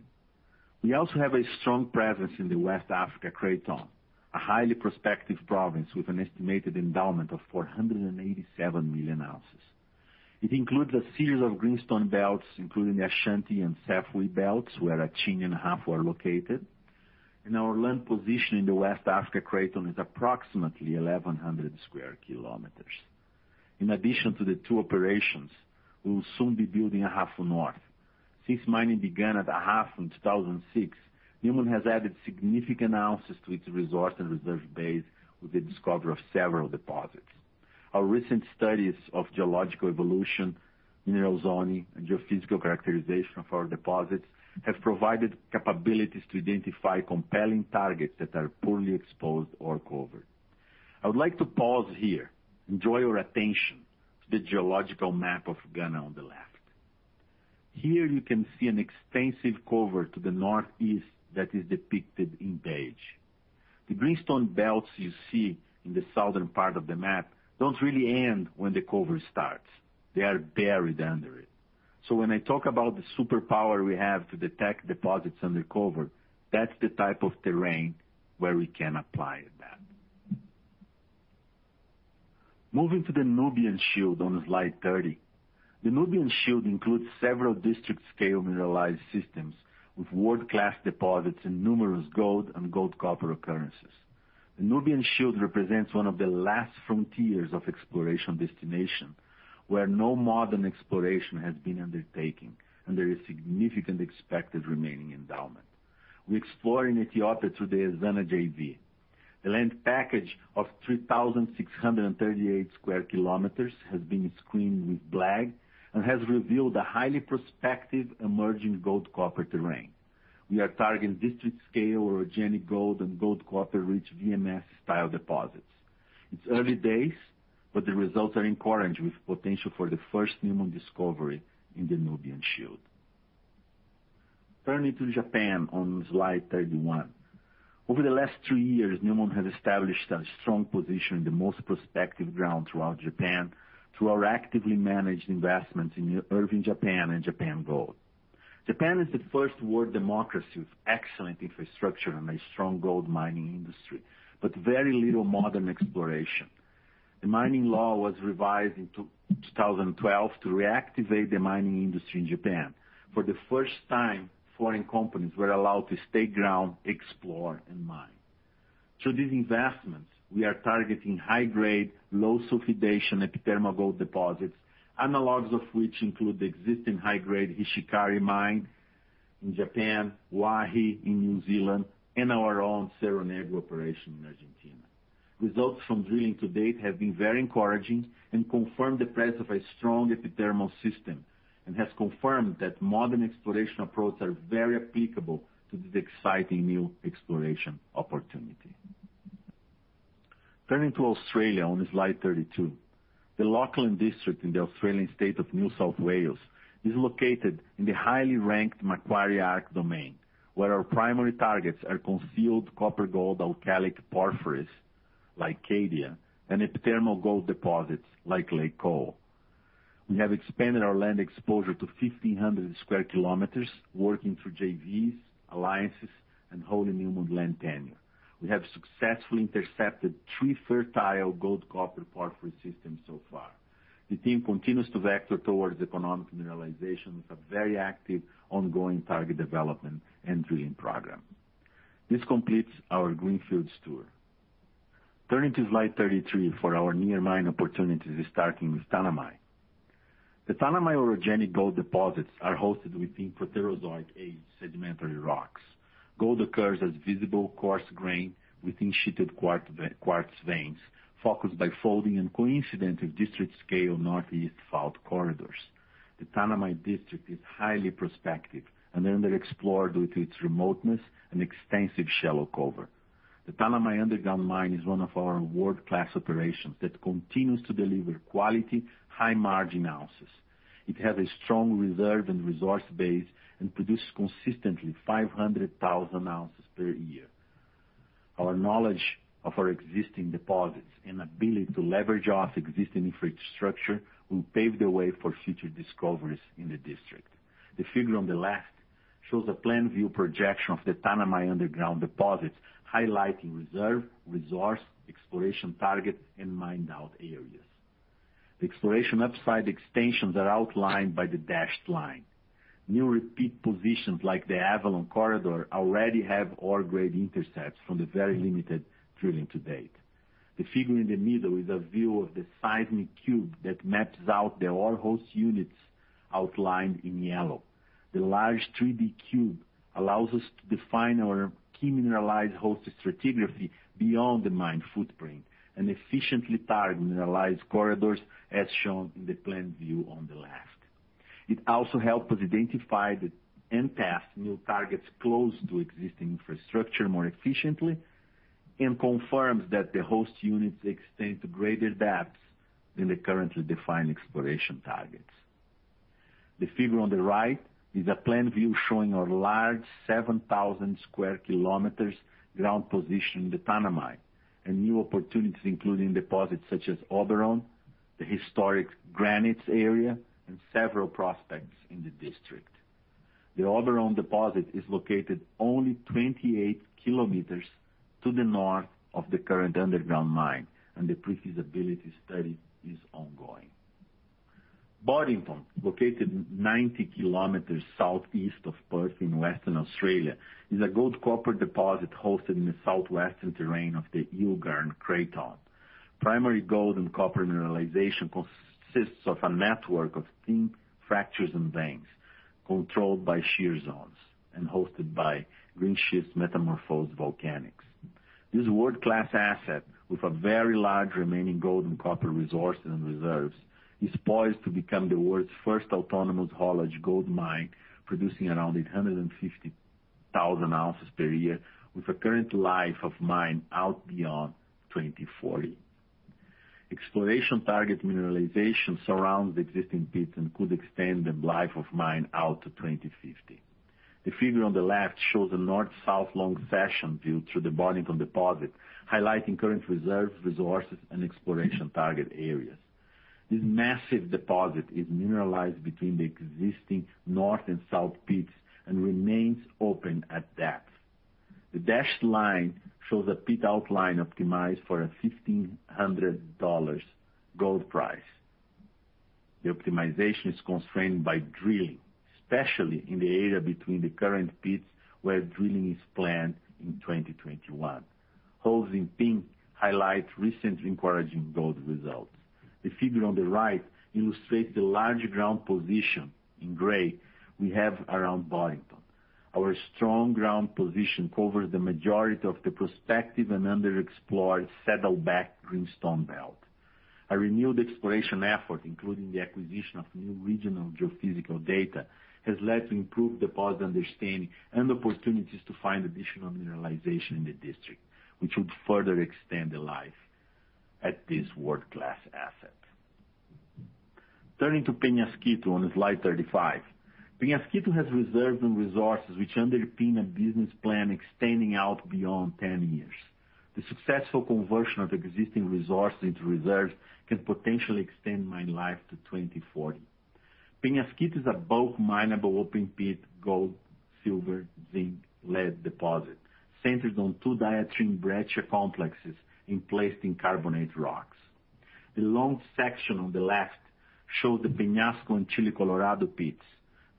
F: We also have a strong presence in the West Africa Craton, a highly prospective province with an estimated endowment of 487 million ounces. It includes a series of greenstone belts, including the Ashanti and Sefwi belts, where Akyem and Ahafo are located. Our land position in the West Africa Craton is approximately 1,100 sq km. In addition to the two operations, we will soon be building Ahafo North. Since mining began at Ahafo in 2006, Newmont has added significant ounces to its resource and reserve base with the discovery of several deposits. Our recent studies of geological evolution, mineral zoning, and geophysical characterization of our deposits have provided capabilities to identify compelling targets that are poorly exposed or covered. I would like to pause here. I draw your your attention to the geological map of Ghana on the left. Here you can see an extensive cover to the northeast that is depicted in beige. The greenstone belts you see in the southern part of the map don't really end when the cover starts. They are buried under it. When I talk about the superpower we have to detect deposits under cover, that's the type of terrain where we can apply that. Moving to the Nubian Shield on slide 30. The Nubian Shield includes several district-scale mineralized systems with world-class deposits and numerous gold and gold-copper occurrences. The Nubian Shield represents one of the last frontiers of exploration destination, where no modern exploration has been undertaken, and there is significant expected remaining endowment. We explore in Ethiopia through the Ezana JV. The land package of 3,638 sq km has been screened with BLEG and has revealed a highly prospective emerging gold-copper terrain. We are targeting district-scale orogenic gold and gold-copper-rich VMS-style deposits. It's early days, but the results are encouraging with potential for the first Newmont discovery in the Nubian Shield. Turning to Japan on slide 31. Over the last three years, Newmont has established a strong position in the most prospective ground throughout Japan through our actively managed investments in Irving Japan and Japan Gold. Japan is the first world democracy with excellent infrastructure and a strong gold mining industry, but very little modern exploration. The mining law was revised in 2012 to reactivate the mining industry in Japan. For the first time, foreign companies were allowed to stake ground, explore, and mine. Through these investments, we are targeting high-grade, low sulfidation, epithermal gold deposits, analogs of which include the existing high-grade Hishikari Mine in Japan, Waihi in New Zealand, and our own Cerro Negro operation in Argentina. Results from drilling to date have been very encouraging and confirmed the presence of a strong epithermal system and has confirmed that modern exploration approaches are very applicable to this exciting new exploration opportunity. Turning to Australia on slide 32. The Lachlan District in the Australian state of New South Wales is located in the highly ranked Macquarie Arc domain, where our primary targets are concealed copper-gold alkalic porphyries, like Cadia, and epithermal gold deposits, like Lihir. We have expanded our land exposure to 1,500 sq km working through JVs, alliances, and holding Newmont land tenure. We have successfully intercepted three fertile gold-copper porphyry systems so far. The team continues to vector towards economic mineralization with a very active ongoing target development and drilling program. This completes our greenfields tour. Turning to slide 33 for our near-mine opportunities starting with Tanami. The Tanami orogenic gold deposits are hosted within Proterozoic-age sedimentary rocks. Gold occurs as visible coarse grain within sheeted quartz veins, focused by folding and coincident with district-scale northeast-south corridors. The Tanami district is highly prospective and underexplored due to its remoteness and extensive shallow cover. The Tanami underground mine is one of our world-class operations that continues to deliver quality, high-margin ounces. It has a strong reserve and resource base and produces consistently 500,000 ounces per year. Our knowledge of our existing deposits and ability to leverage off existing infrastructure will pave the way for future discoveries in the district. The figure on the left shows a plan view projection of the Tanami underground deposits, highlighting reserve, resource, exploration targets, and mined-out areas. The exploration upside extensions are outlined by the dashed line. New repeat positions like the Auron Corridor already have ore grade intercepts from the very limited drilling to date. The figure in the middle is a view of the seismic cube that maps out the ore host units outlined in yellow. The large 3D cube allows us to define our key mineralized host stratigraphy beyond the mine footprint and efficiently target mineralized corridors, as shown in the plan view on the left. It also helps us identify and test new targets close to existing infrastructure more efficiently and confirms that the host units extend to greater depths than the currently defined exploration targets. The figure on the right is a plan view showing our large 7,000 sq km ground position in the Tanami, and new opportunities including deposits such as Oberon, the historic Granites area, and several prospects in the district. The Oberon deposit is located only 28 km to the north of the current underground mine, and the pre-feasibility study is ongoing. Boddington, located 90 km southeast of Perth in Western Australia, is a gold-copper deposit hosted in the southwestern terrain of the Yilgarn Craton. Primary gold and copper mineralization consists of a network of thin fractures and veins controlled by shear zones and hosted by greenschist metamorphosed volcanics. This world-class asset, with a very large remaining gold and copper resources and reserves, is poised to become the world's first autonomous haulage gold mine, producing around 850,000 ounces per year with a current life of mine out beyond 2040. Exploration target mineralization surrounds the existing pits and could extend the life of mine out to 2050. The figure on the left shows a north-south long section view through the Boddington deposit, highlighting current reserves, resources, and exploration target areas. This massive deposit is mineralized between the existing north and south pits and remains open at depth. The dashed line shows a pit outline optimized for a $1,500 gold price. The optimization is constrained by drilling, especially in the area between the current pits, where drilling is planned in 2021. Holes in pink highlight recent encouraging gold results. The figure on the right illustrates the large ground position, in gray, we have around Boddington. Our strong ground position covers the majority of the prospective and underexplored Saddleback greenstone belt. A renewed exploration effort, including the acquisition of new regional geophysical data, has led to improved deposit understanding and opportunities to find additional mineralization in the district, which would further extend the life at this world-class asset. Turning to Peñasquito on slide 35. Peñasquito has reserves and resources which underpin a business plan extending out beyond 10 years. The successful conversion of existing resources into reserves can potentially extend mine life to 2040. Peñasquito is a bulk mineable open pit gold, silver, zinc, lead deposit centered on two diatreme breccia complexes emplaced in carbonate rocks. The long section on the left shows the Peñasco and Chile Colorado pits.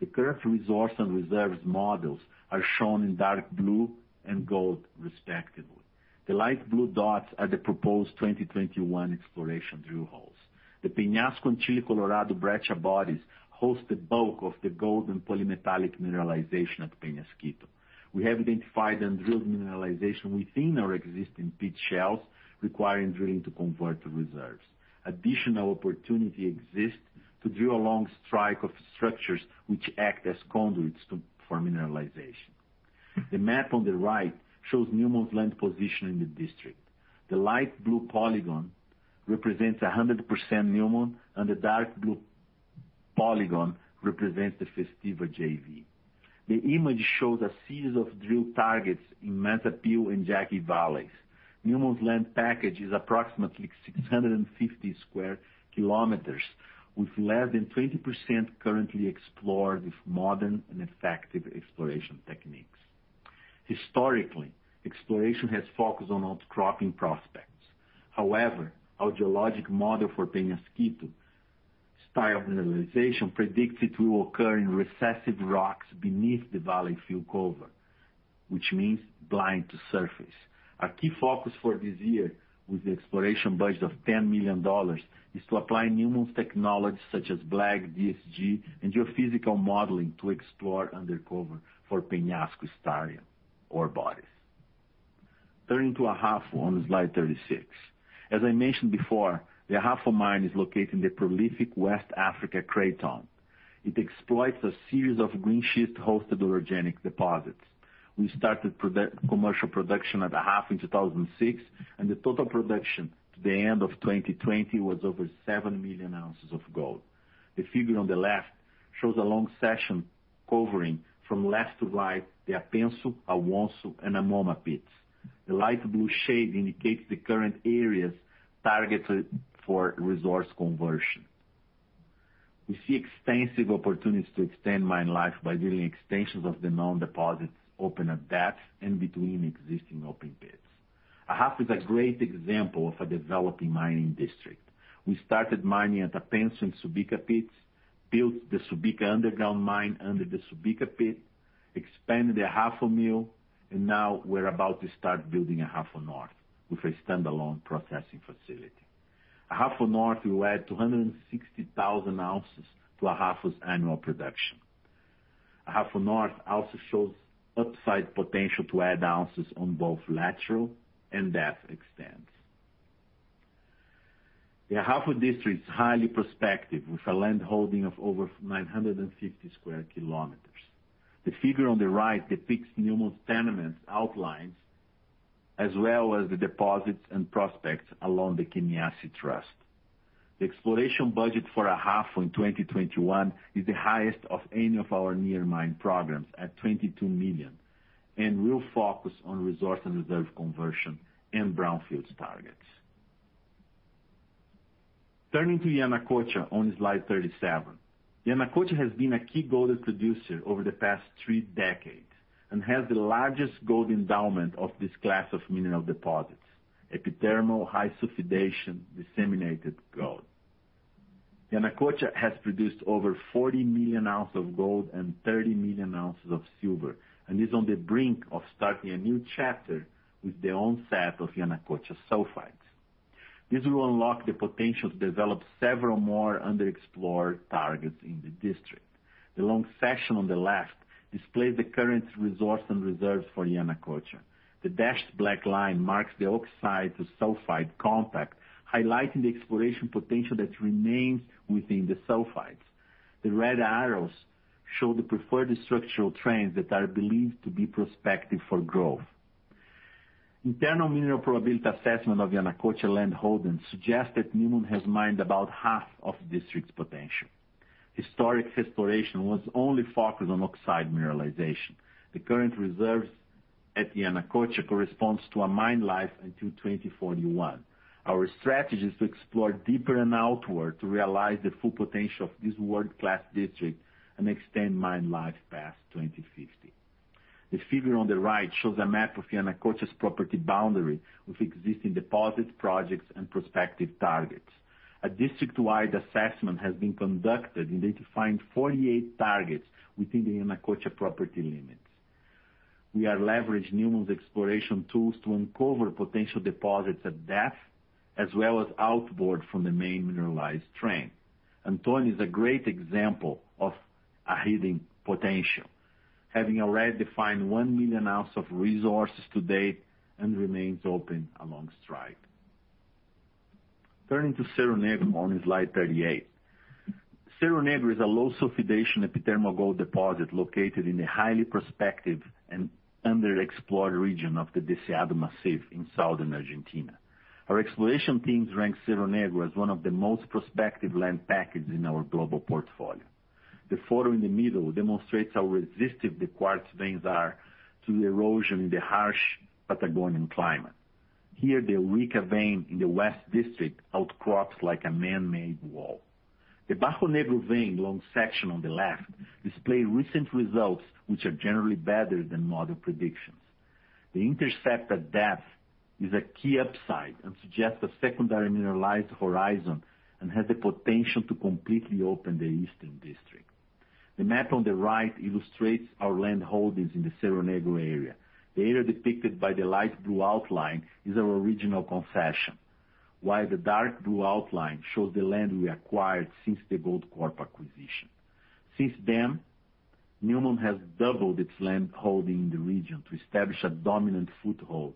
F: The current resource and reserves models are shown in dark blue and gold respectively. The light blue dots are the proposed 2021 exploration drill holes. The Peñasco and Chile Colorado breccia bodies host the bulk of the gold and polymetallic mineralization at Peñasquito. We have identified and drilled mineralization within our existing pit shells, requiring drilling to convert to reserves. Additional opportunity exists to drill a long strike of structures which act as conduits for mineralization. The map on the right shows Newmont's land position in the district. The light blue polygon represents 100% Newmont, and the dark blue polygon represents the Festiva JV. The image shows a series of drill targets in Mazapil and Jagüey Valleys. Newmont's land package is approximately 650 sq km, with less than 20% currently explored with modern and effective exploration techniques. Historically, exploration has focused on outcropping prospects. However, our geologic model for Peñasquito style mineralization predicts it will occur in recessive rocks beneath the valley fill cover, which means blind to surface. Our key focus for this year, with the exploration budget of $10 million, is to apply Newmont's technology such as BLEG, DSG, and geophysical modeling to explore undercover for Peñasquito style ore bodies. Turning to Ahafo on slide 36. As I mentioned before, the Ahafo mine is located in the prolific West Africa Craton. It exploits a series of greenschist hosted orogenic deposits. The total production to the end of 2020 was over 7 million ounces of gold. The figure on the left shows a long section covering from left to right, the Apensu, Awonsu, and Amoma pits. The light blue shade indicates the current areas targeted for resource conversion. We see extensive opportunities to extend mine life by building extensions of the known deposits open at depth and between existing open pits. Ahafo is a great example of a developing mining district. We started mining at Apensu and Subika pits, built the Subika underground mine under the Subika pit, expanded the Ahafo mill. Now we're about to start building Ahafo North with a standalone processing facility. Ahafo North will add 260,000 ounces to Ahafo's annual production. Ahafo North also shows upside potential to add ounces on both lateral and depth extends. The Ahafo district is highly prospective with a land holding of over 950 sq km. The figure on the right depicts Newmont's tenement outlines, as well as the deposits and prospects along the Kenyasi thrust. The exploration budget for Ahafo in 2021 is the highest of any of our near mine programs at $22 million. It will focus on resource and reserve conversion and brownfields targets. Turning to Yanacocha on slide 37. Yanacocha has been a key gold producer over the past three decades and has the largest gold endowment of this class of mineral deposits, epithermal high sulfidation disseminated gold. Yanacocha has produced over 40 million ounces of gold and 30 million ounces of silver and is on the brink of starting a new chapter with the onset of Yanacocha sulfides. This will unlock the potential to develop several more underexplored targets in the district. The long section on the left displays the current resource and reserves for Yanacocha. The dashed black line marks the oxide to sulfide contact, highlighting the exploration potential that remains within the sulfides. The red arrows show the preferred structural trends that are believed to be prospective for growth. Internal mineral probability assessment of Yanacocha landholdings suggest that Newmont has mined about half of the district's potential. Historic exploration was only focused on oxide mineralization. The current reserves at Yanacocha corresponds to a mine life until 2041. Our strategy is to explore deeper and outward to realize the Full Potential of this world-class district and extend mine life past 2050. The figure on the right shows a map of Yanacocha's property boundary with existing deposits, projects, and prospective targets. A district-wide assessment has been conducted identifying 48 targets within the Yanacocha property limits. We are leveraging Newmont's exploration tools to uncover potential deposits at depth, as well as outboard from the main mineralized trend. Auron is a great example of a hidden potential, having already defined 1 million ounces of resources to date, and remains open along strike. Turning to Cerro Negro on slide 38. Cerro Negro is a low sulfidation epithermal gold deposit located in a highly prospective and underexplored region of the Deseado Massif in Southern Argentina. Our exploration teams rank Cerro Negro as one of the most prospective land package in our global portfolio. The photo in the middle demonstrates how resistive the quartz veins are to erosion in the harsh Patagonian climate. Here, the Eureka vein in the west district outcrops like a man-made wall. The Bajo Negro vein long section on the left display recent results, which are generally better than model predictions. The intercept at depth is a key upside and suggests a secondary mineralized horizon and has the potential to completely open the eastern district. The map on the right illustrates our landholdings in the Cerro Negro area. The area depicted by the light blue outline is our original concession, while the dark blue outline shows the land we acquired since the Goldcorp acquisition. Since then, Newmont has doubled its landholding in the region to establish a dominant foothold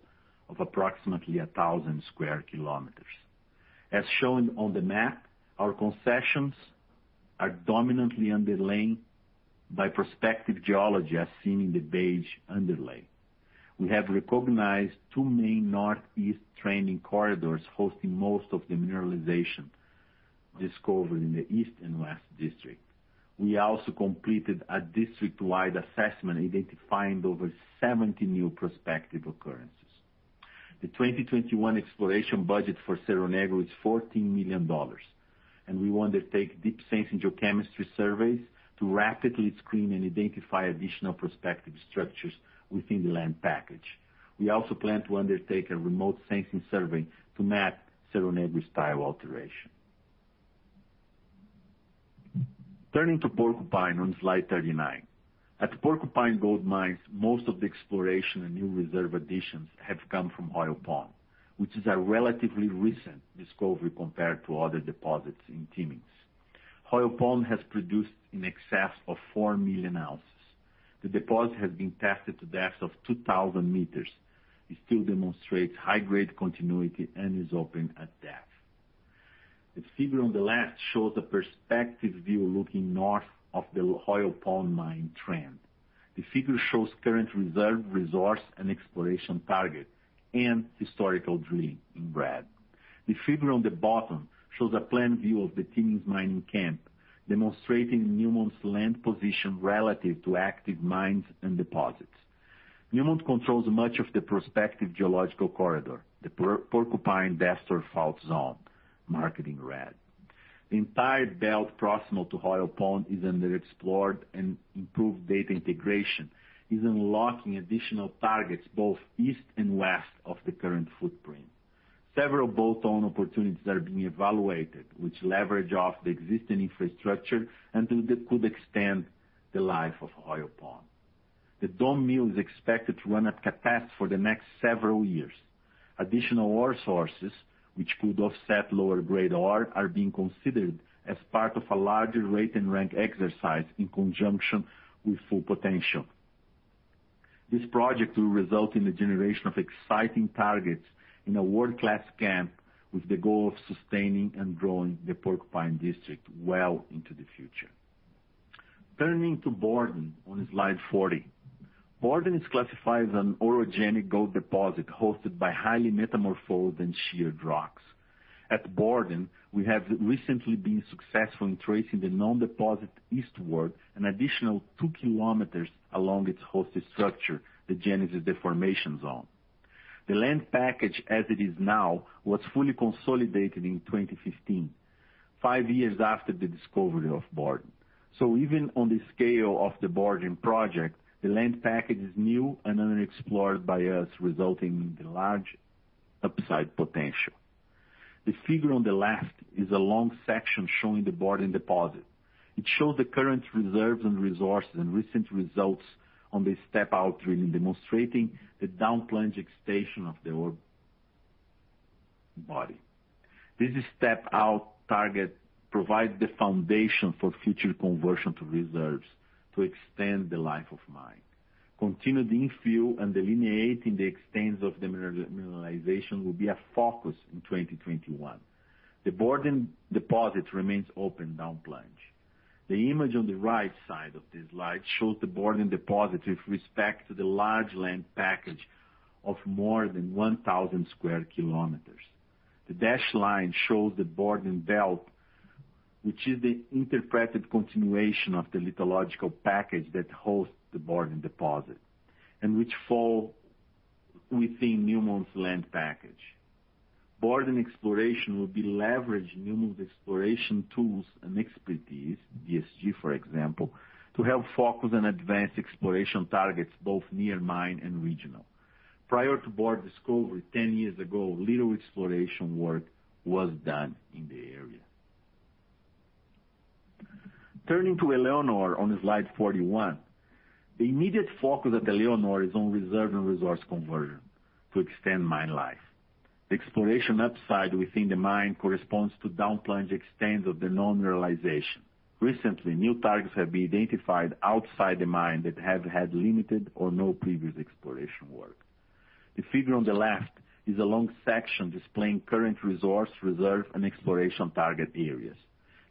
F: of approximately 1,000 sq km. As shown on the map, our concessions are dominantly underlain by prospective geology, as seen in the beige underlay. We have recognized two main northeast-trending corridors hosting most of the mineralization discovered in the east and west district. We also completed a district-wide assessment identifying over 70 new prospective occurrences. The 2021 exploration budget for Cerro Negro is $14 million. We want to take Deep Sensing Geochemistry surveys to rapidly screen and identify additional prospective structures within the land package. We also plan to undertake a remote sensing survey to map Cerro Negro style alteration. Turning to Porcupine on slide 39. At the Porcupine gold mines, most of the exploration and new reserve additions have come from Hoyle Pond, which is a relatively recent discovery compared to other deposits in Timmins. Hoyle Pond has produced in excess of 4 million ounces. The deposit has been tested to depths of 2,000 m. It still demonstrates high-grade continuity and is open at depth. The figure on the left shows a perspective view looking north of the Hoyle Pond mine trend. The figure shows current reserve resource and exploration target and historical drilling in red. The figure on the bottom shows a plan view of the Timmins mining camp, demonstrating Newmont's land position relative to active mines and deposits. Newmont controls much of the prospective geological corridor, the Porcupine-Destor fault zone, marked in red. The entire belt proximal to Hoyle Pond is underexplored and improved data integration is unlocking additional targets both east and west of the current footprint. Several bolt-on opportunities are being evaluated, which leverage off the existing infrastructure and could extend the life of Hoyle Pond. The Dome Mill is expected to run at capacity for the next several years. Additional ore sources, which could offset lower-grade ore, are being considered as part of a larger rate and rank exercise in conjunction with Full Potential. This project will result in the generation of exciting targets in a world-class camp with the goal of sustaining and growing the Porcupine district well into the future. Turning to Borden on slide 40. Borden is classified as an orogenic gold deposit hosted by highly metamorphosed and sheared rocks. At Borden, we have recently been successful in tracing the known deposit eastward, an additional two km along its hosted structure, the Genesis deformation zone. The land package, as it is now, was fully consolidated in 2015, five years after the discovery of Borden. Even on the scale of the Borden project, the land package is new and unexplored by us, resulting in the large upside potential. The figure on the left is a long section showing the Borden deposit. It shows the current reserves and resources and recent results on the step-out drilling, demonstrating the down-plunging extension of the ore body. This step-out target provides the foundation for future conversion to reserves to extend the life of mine. Continuing infill and delineating the extent of the mineralization will be a focus in 2021. The Borden deposit remains open down plunge. The image on the right side of this slide shows the Borden deposit with respect to the large land package of more than 1,000 sq km. The dashed line shows the Borden belt, which is the interpreted continuation of the lithological package that hosts the Borden deposit, and which fall within Newmont's land package. Borden exploration will be leveraging Newmont exploration tools and expertise, DSG, for example, to help focus on advanced exploration targets, both near mine and regional. Prior to Borden discovery 10 years ago, little exploration work was done in the area. Turning to Éléonore on slide 41, the immediate focus at Éléonore is on reserve and resource conversion to extend mine life. The exploration upside within the mine corresponds to down-plunge extents of the known mineralization. Recently, new targets have been identified outside the mine that have had limited or no previous exploration work. The figure on the left is a long section displaying current resource, reserve, and exploration target areas.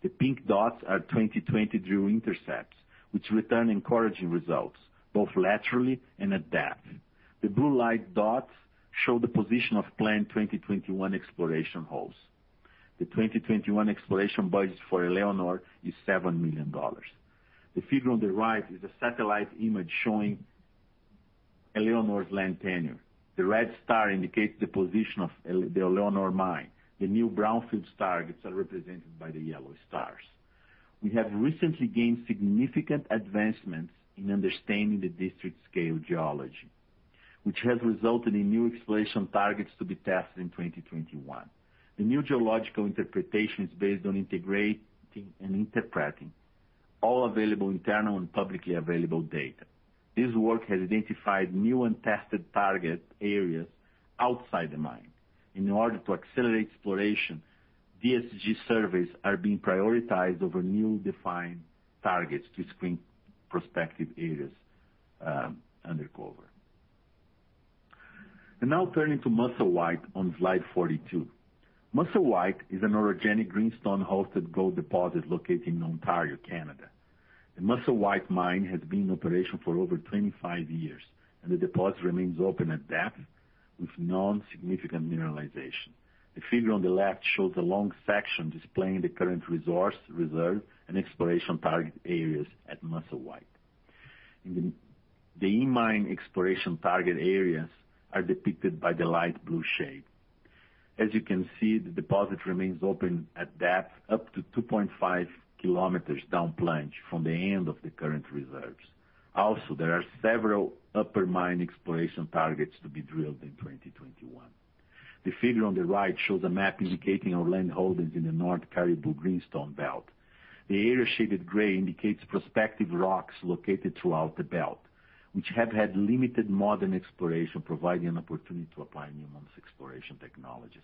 F: The pink dots are 2020 drill intercepts, which return encouraging results, both laterally and at depth. The blue light dots show the position of planned 2021 exploration holes. The 2021 exploration budget for Éléonore is $7 million. The figure on the right is a satellite image showing Éléonore's land tenure. The red star indicates the position of the Éléonore mine. The new brownfield targets are represented by the yellow stars. We have recently gained significant advancements in understanding the district-scale geology, which has resulted in new exploration targets to be tested in 2021. The new geological interpretation is based on integrating and interpreting all available internal and publicly available data. This work has identified new untested target areas outside the mine. In order to accelerate exploration, DSG surveys are being prioritized over new defined targets to screen prospective areas undercover. Now turning to Musselwhite on slide 42. Musselwhite is an orogenic greenstone-hosted gold deposit located in Ontario, Canada. The Musselwhite mine has been in operation for over 25 years, and the deposit remains open at depth with known significant mineralization. The figure on the left shows a long section displaying the current resource, reserve, and exploration target areas at Musselwhite. The in-mine exploration target areas are depicted by the light blue shade. As you can see, the deposit remains open at depth, up to 2.5 km down plunge from the end of the current reserves. Also, there are several upper mine exploration targets to be drilled in 2021. The figure on the right shows a map indicating our landholdings in the North Caribou greenstone belt. The area shaded gray indicates prospective rocks located throughout the belt, which have had limited modern exploration, providing an opportunity to apply Newmont's exploration technologies.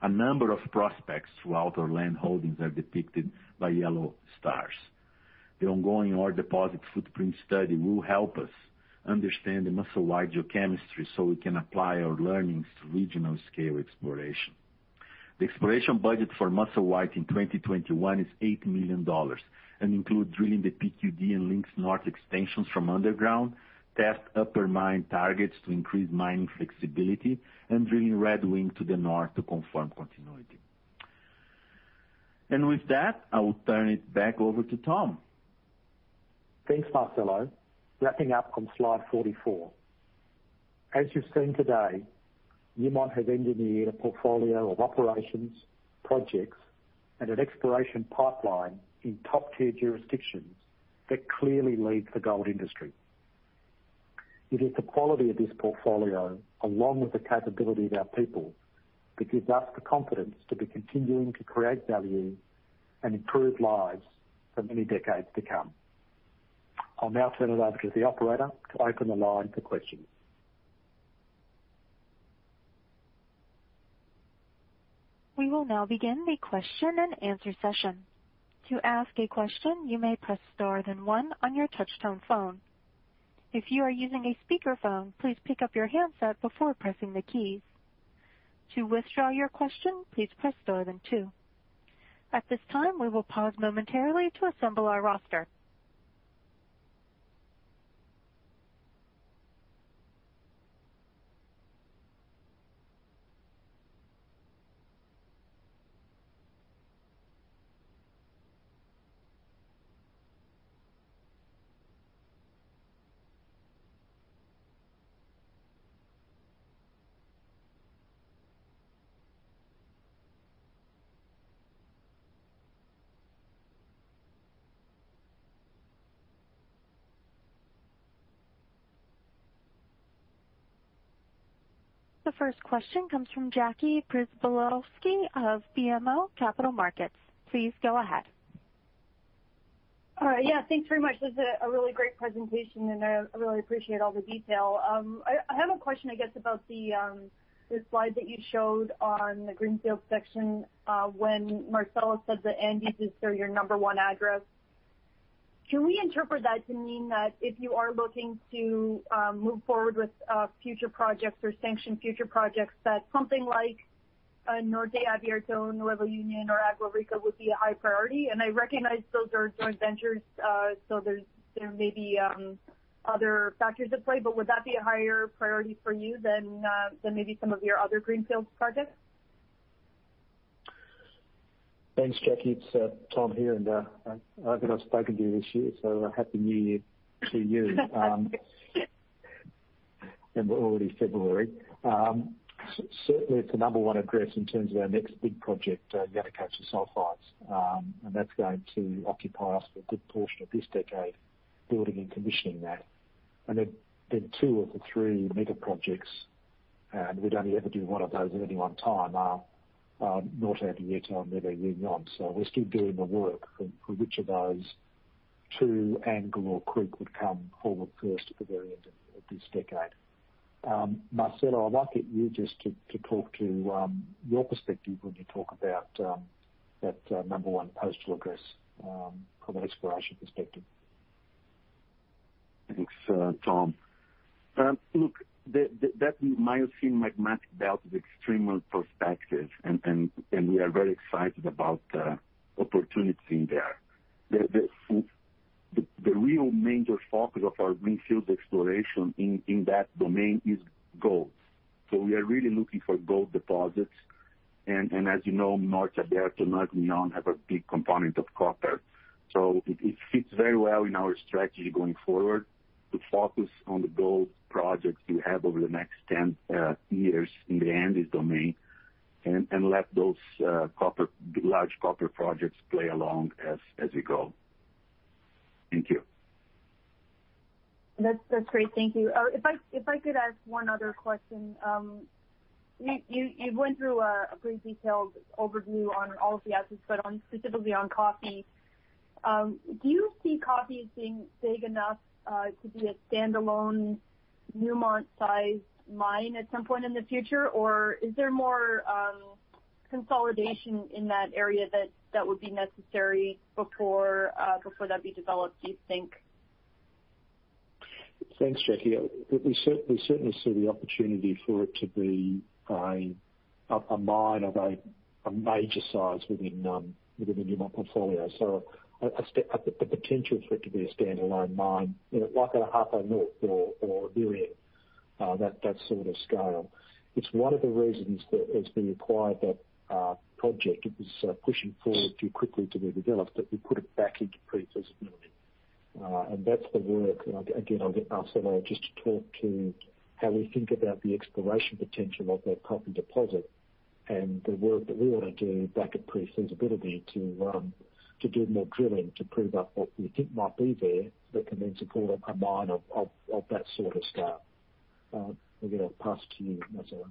F: A number of prospects throughout our landholdings are depicted by yellow stars. The ongoing ore deposit footprint study will help us understand the Musselwhite geochemistry so we can apply our learnings to regional scale exploration. The exploration budget for Musselwhite in 2021 is $8 million and includes drilling the PQD and Lynx North extensions from underground, test upper mine targets to increase mining flexibility, and drilling Redwings to the north to confirm continuity. With that, I will turn it back over to Tom.
C: Thanks, Marcelo. Wrapping up on slide 44. As you've seen today, Newmont has engineered a portfolio of operations, projects, and an exploration pipeline in top-tier jurisdictions that clearly lead the gold industry. It is the quality of this portfolio, along with the capability of our people, that gives us the confidence to be continuing to create value and improve lives for many decades to come. I'll now turn it over to the operator to open the line for questions.
A: The first question comes from Jackie Przybylowski of BMO Capital Markets. Please go ahead.
G: All right. Yeah, thanks very much. This was a really great presentation, and I really appreciate all the detail. I have a question, I guess, about the slide that you showed on the greenfield section, when Marcelo said the Andes is still your number one address. Can we interpret that to mean that if you are looking to move forward with future projects or sanction future projects, that something like Norte Abierto, NuevaUnión or Agua Rica would be a high priority? I recognize those are joint ventures, so there may be other factors at play, but would that be a higher priority for you than maybe some of your other greenfield projects?
C: Thanks, Jackie. It's Tom here, and I don't think I've spoken to you this year, so Happy New Year to you. We're already February. Certainly, it's the number one address in terms of our next big project, Yanacocha sulfides. That's going to occupy us for a good portion of this decade, building and commissioning that. Then two of the three mega projects, and we'd only ever do one of those at any one time, are Norte Abierto and NuevaUnión. We're still doing the work for which of those two, Agua Rica or Galore Creek, would come forward first at the very end of this decade. Marcelo, I'd like you just to talk to your perspective when you talk about that number one post address from an exploration perspective.
F: Thanks, Tom. Look, that Miocene magmatic belt is extremely prospective, and we are very excited about the opportunity there. The real major focus of our greenfield exploration in that domain is gold. We are really looking for gold deposits. As you know, Norte Abierto, NuevaUnión have a big component of copper. It fits very well in our strategy going forward to focus on the gold projects we have over the next 10 years in the Andes domain, and let those large copper projects play along as we go. Thank you.
G: That's great. Thank you. If I could ask one other question. You went through a pretty detailed overview on all of the assets, but specifically on Coffee. Do you see Coffee as being big enough to be a standalone Newmont-sized mine at some point in the future? Is there more consolidation in that area that would be necessary before that'd be developed, do you think?
C: Thanks, Jackie. We certainly see the opportunity for it to be a mine of a major size within the Newmont portfolio. The potential for it to be a standalone mine, like a Ahafo North or a Merian, that sort of scale. It's one of the reasons that as we acquired that project, it was pushing forward too quickly to be developed, but we put it back into pre-feasibility. That's the work, again, I'll get Marcelo just to talk to how we think about the exploration potential of that Coffee deposit and the work that we want to do back at pre-feasibility to do more drilling, to prove up what we think might be there that can then support a mine of that sort of scale. Again, I'll pass to you, Marcelo.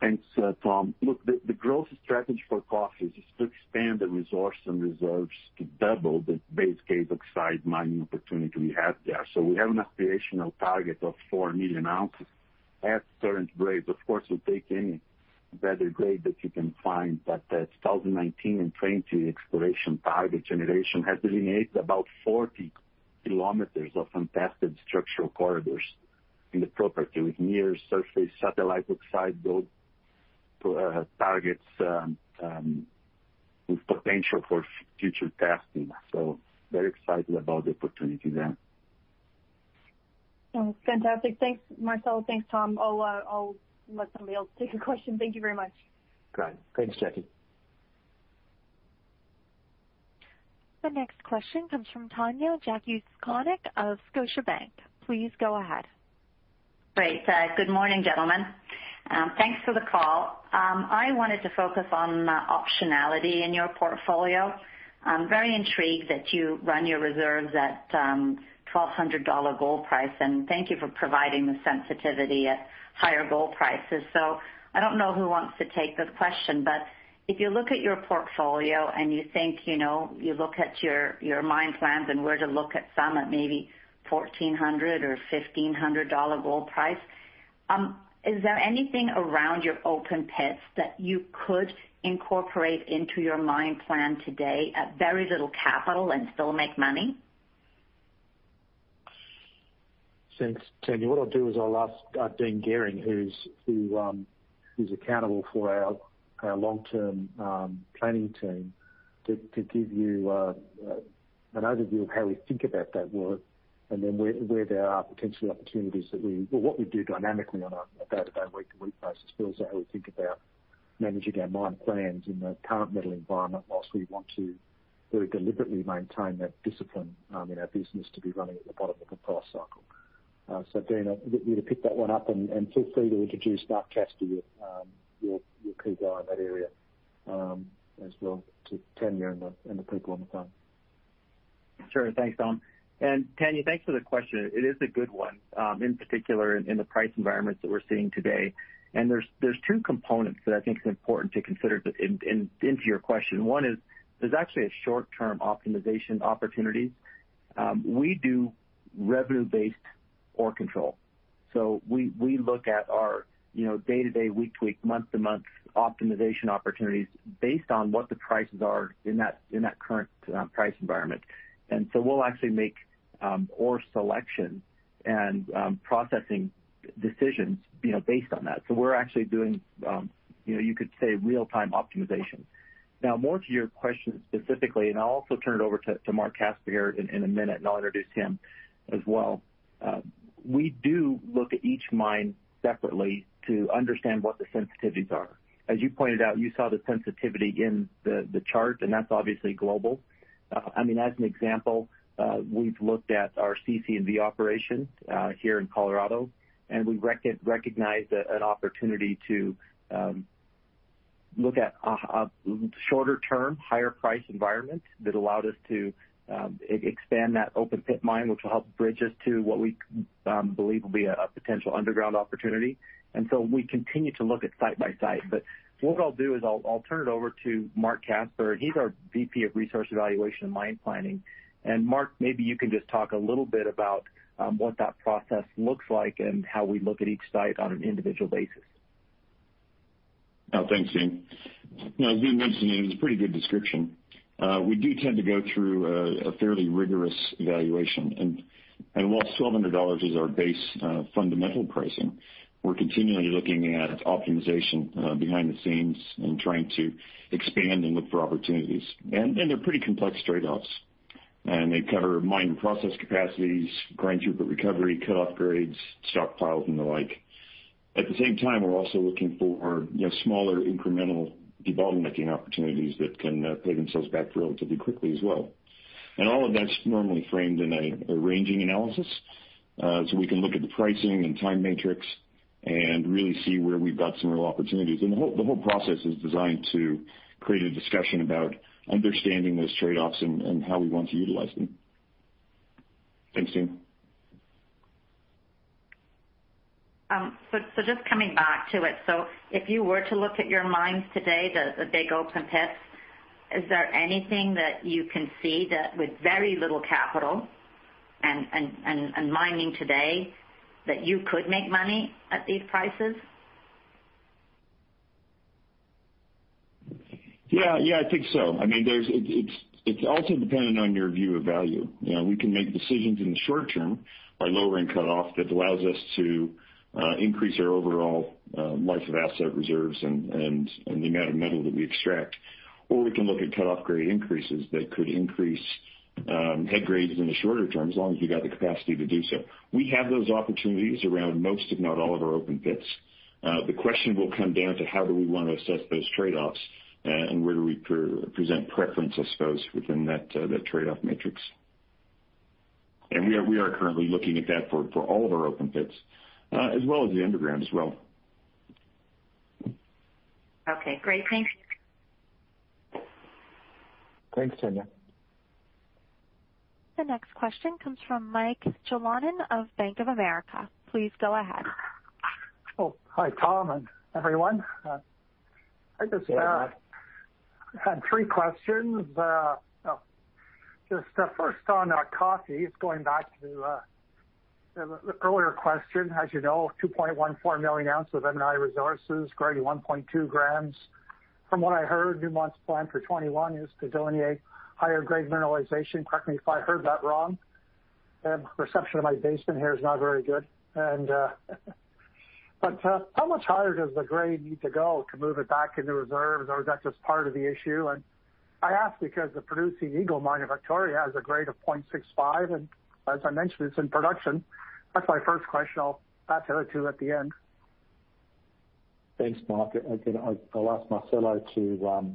F: Thanks, Tom. Look, the growth strategy for Coffee is to expand the resource and reserves to double the base case oxide mining opportunity we have there. We have an aspirational target of 4 million ounces at current grades. Of course, we'll take any better grade that you can find, that 2019 and 2020 exploration target generation has delineated about 40 km of untested structural corridors in the property with near-surface satellite oxide gold targets with potential for future testing. Very excited about the opportunity there.
G: Oh, fantastic. Thanks, Marcelo. Thanks, Tom. I'll let somebody else take a question. Thank you very much.
C: Great. Thanks, Jackie.
A: The next question comes from Tanya Jakusconek of Scotiabank. Please go ahead.
H: Great. Good morning, gentlemen. Thanks for the call. I wanted to focus on optionality in your portfolio. I'm very intrigued that you run your reserves at $1,200 gold price, and thank you for providing the sensitivity at higher gold prices. I don't know who wants to take the question, but if you look at your portfolio and you look at your mine plans and where to look at some at maybe $1,400 or $1,500 gold price, is there anything around your open pits that you could incorporate into your mine plan today at very little capital and still make money?
C: Thanks, Tanya. What I'll do is I'll ask Dean Gehring, who's accountable for our long-term planning team, to give you an overview of how we think about that work and then where there are potential opportunities that we, what we do dynamically on a day-to-day, week-to-week basis, but also how we think about managing our mine plans in the current metal environment, whilst we want to very deliberately maintain that discipline in our business to be running at the bottom of the price cycle. Dean, I'll get you to pick that one up, and feel free to introduce Mark Casper, your key guy in that area as well, to Tanya and the people on the phone.
D: Sure. Thanks, Tom. Tanya, thanks for the question. It is a good one, in particular in the price environments that we're seeing today. There's two components that I think are important to consider into your question. One is, there's actually a short-term optimization opportunity We do revenue-based ore control. We look at our day-to-day, week-to-week, month-to-month optimization opportunities based on what the prices are in that current price environment. We'll actually make ore selection and processing decisions based on that. We're actually doing, you could say, real-time optimization. Now, more to your question specifically, and I'll also turn it over to Mark Casper here in a minute, and I'll introduce him as well. We do look at each mine separately to understand what the sensitivities are. As you pointed out, you saw the sensitivity in the chart, and that's obviously global. As an example, we've looked at our CC&V operation here in Colorado, and we recognized an opportunity to look at a shorter-term, higher-price environment that allowed us to expand that open pit mine, which will help bridge us to what we believe will be a potential underground opportunity. We continue to look at site by site. What I'll do is I'll turn it over to Mark Casper. He's our VP of Resource Evaluation and Mine Planning. Mark, maybe you can just talk a little bit about what that process looks like and how we look at each site on an individual basis.
I: Thanks, team. As you mentioned, it was a pretty good description. We do tend to go through a fairly rigorous evaluation. Whilst $1,200 is our base fundamental pricing, we're continually looking at optimization behind the scenes and trying to expand and look for opportunities. They're pretty complex trade-offs. They cover mine process capacities, grind throughput recovery, cut-off grades, stockpiles, and the like. At the same time, we're also looking for smaller, incremental development making opportunities that can pay themselves back relatively quickly as well. All of that's normally framed in a ranging analysis, so we can look at the pricing and time matrix and really see where we've got some real opportunities. The whole process is designed to create a discussion about understanding those trade-offs and how we want to utilize them. Thanks, Dean.
H: Just coming back to it. If you were to look at your mines today, the big open pits, is there anything that you can see that, with very little capital and mining today, that you could make money at these prices?
I: Yeah, I think so. It's also dependent on your view of value. We can make decisions in the short term by lowering cut-off that allows us to increase our overall life of asset reserves and the amount of metal that we extract. We can look at cut-off grade increases that could increase head grades in the shorter term, as long as you've got the capacity to do so. We have those opportunities around most, if not all, of our open pits. The question will come down to how do we want to assess those trade-offs, and where do we present preferences, I suppose, within that trade-off matrix. We are currently looking at that for all of our open pits, as well as the underground as well.
H: Okay, great. Thanks.
D: Thanks, Tanya.
A: The next question comes from Mike Jalonen of Bank of America. Please go ahead.
J: Oh, hi, Tom, and everyone.
D: Hey, Mike.
J: I just had three questions. The first on Coffee, going back to the earlier question. As you know, 2.14 million ounces M&I resources, grading 1.2 g. From what I heard, Newmont's plan for 2021 is to delineate higher grade mineralization. Correct me if I heard that wrong. The reception in my basement here is not very good. How much higher does the grade need to go to move it back into reserves, or is that just part of the issue? I ask because the producing Eagle Mine in Victoria has a grade of 0.65, and as I mentioned, it's in production. That's my first question. I'll pass the other two at the end.
C: Thanks, Mark. Again, I'll ask Marcelo to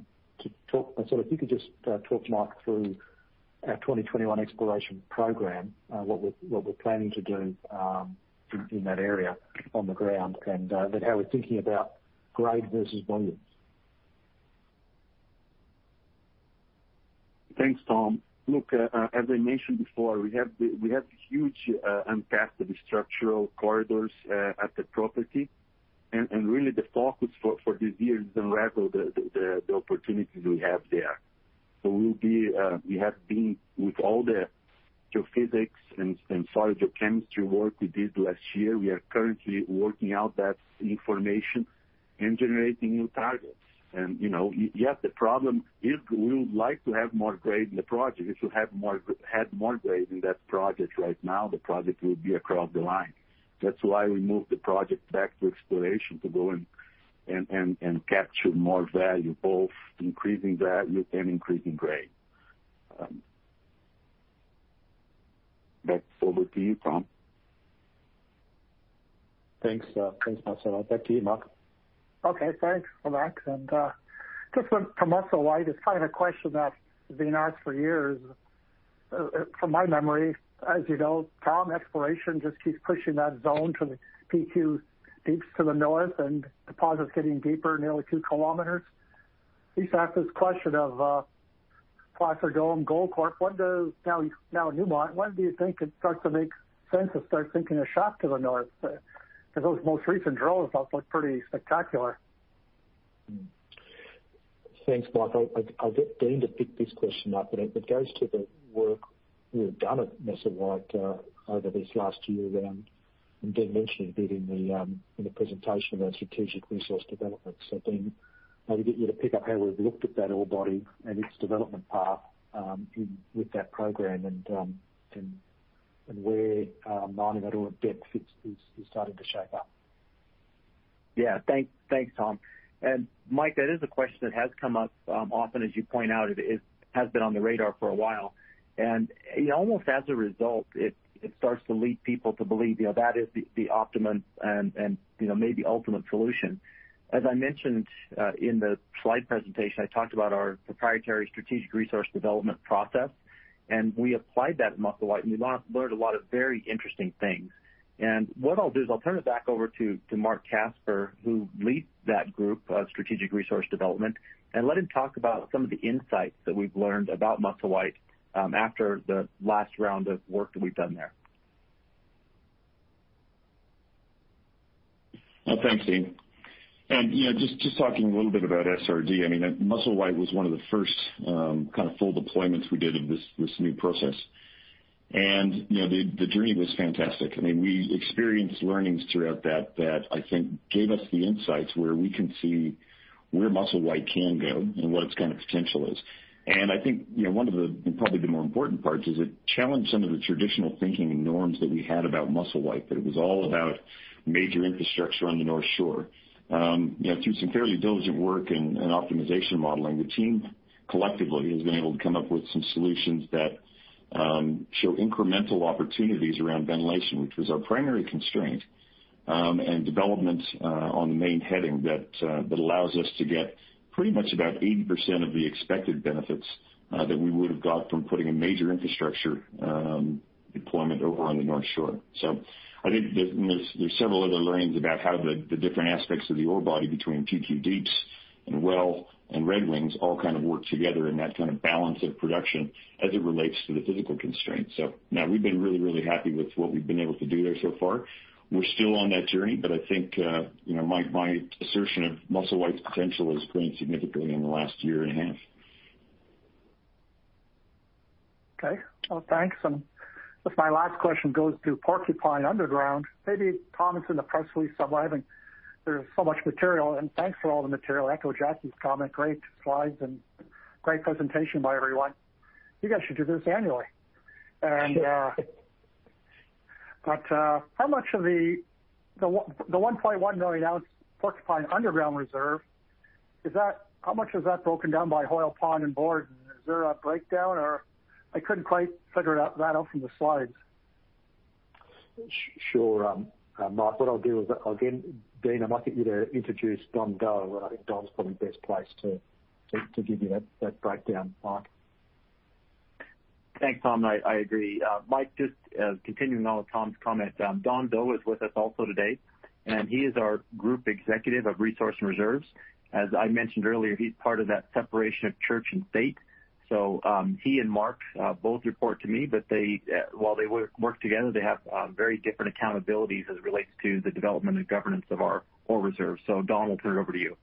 C: talk. If you could just talk Mark through our 2021 exploration program, what we're planning to do in that area on the ground, and then how we're thinking about grade versus volumes.
F: Thanks, Tom. Look, as I mentioned before, we have huge untapped structural corridors at the property. Really the focus for this year is to unravel the opportunities we have there. We have been with all the geophysics and solid geochemistry work we did last year. We are currently working out that information and generating new targets. Yes, the problem is we would like to have more grade in the project. If we had more grade in that project right now, the project would be across the line. That's why we moved the project back to exploration to go and capture more value, both increasing value and increasing grade. Back over to you, Tom.
C: Thanks. Thanks, Marcelo. Back to you, Mark.
J: Okay, thanks a lot. Just one for Musselwhite. It's kind of a question that's been asked for years. From my memory, as you know, Tom, exploration just keeps pushing that zone to the PQ Deeps to the north and deposit's getting deeper, nearly 2 km. Just ask this question of Placer Dome Goldcorp, now Newmont, when do you think it starts to make sense to start sinking a shaft to the north? Those most recent drills spots looked pretty spectacular.
C: Thanks, Mike. I get Dean to pick this question up, and it goes to the work we have done at Musselwhite over this last year around, and Dean mentioned a bit in the presentation about strategic resource development. Dean, maybe get you to pick up how we've looked at that ore body and its development path with that program and where mining at ore depth is starting to shape up.
D: Thanks, Tom. Mike, that is a question that has come up often, as you point out. It has been on the radar for a while, and almost as a result, it starts to lead people to believe that is the optimum and maybe ultimate solution. As I mentioned in the slide presentation, I talked about our proprietary Strategic Resource Development process, and we applied that at Musselwhite, and we learned a lot of very interesting things. What I'll do is I'll turn it back over to Mark Casper, who leads that group, Strategic Resource Development, and let him talk about some of the insights that we've learned about Musselwhite after the last round of work that we've done there.
I: Well, thanks, Dean. Just talking a little bit about SRD, Musselwhite was one of the first full deployments we did of this new process. The journey was fantastic. We experienced learnings throughout that I think gave us the insights where we can see where Musselwhite can go and what its potential is. I think one of the, probably the more important parts is it challenged some of the traditional thinking and norms that we had about Musselwhite, that it was all about major infrastructure on the North Shore. Through some fairly diligent work and optimization modeling, the team collectively has been able to come up with some solutions that show incremental opportunities around ventilation, which was our primary constraint, and development on the main heading that allows us to get pretty much about 80% of the expected benefits that we would have got from putting a major infrastructure deployment over on the North Shore. I think there's several other learnings about how the different aspects of the ore body between PQ Deeps and Well and Redwings all work together in that kind of balance of production as it relates to the physical constraints. Now we've been really happy with what we've been able to do there so far. We're still on that journey, I think my assertion of Musselwhite's potential has grown significantly in the last year and a half.
J: Okay. Well, thanks. I guess my last question goes to Porcupine underground. Maybe, Tom, in the press release, I'm learning there's so much material, and thanks for all the material. I echo Jackie's comment, great slides and great presentation by everyone. You guys should do this annually. How much of the 1.1 million ounces Porcupine underground reserve, how much is that broken down by Hoyle Pond and Borden? Is there a breakdown, or I couldn't quite figure that out from the slides.
C: Sure. Mike, what I'll do is, again, Dean, I might get you to introduce Don Doe. I think Don's probably best placed to give you that breakdown, Mike.
D: Thanks, Tom. I agree. Mike, just continuing on Tom's comment, Don Doe is with us also today, and he is our Group Executive of Resource and Reserves. As I mentioned earlier, he's part of that separation of church and state. He and Mark both report to me, but while they work together, they have very different accountabilities as it relates to the development and governance of our ore reserves. Don, I'll turn it over to you.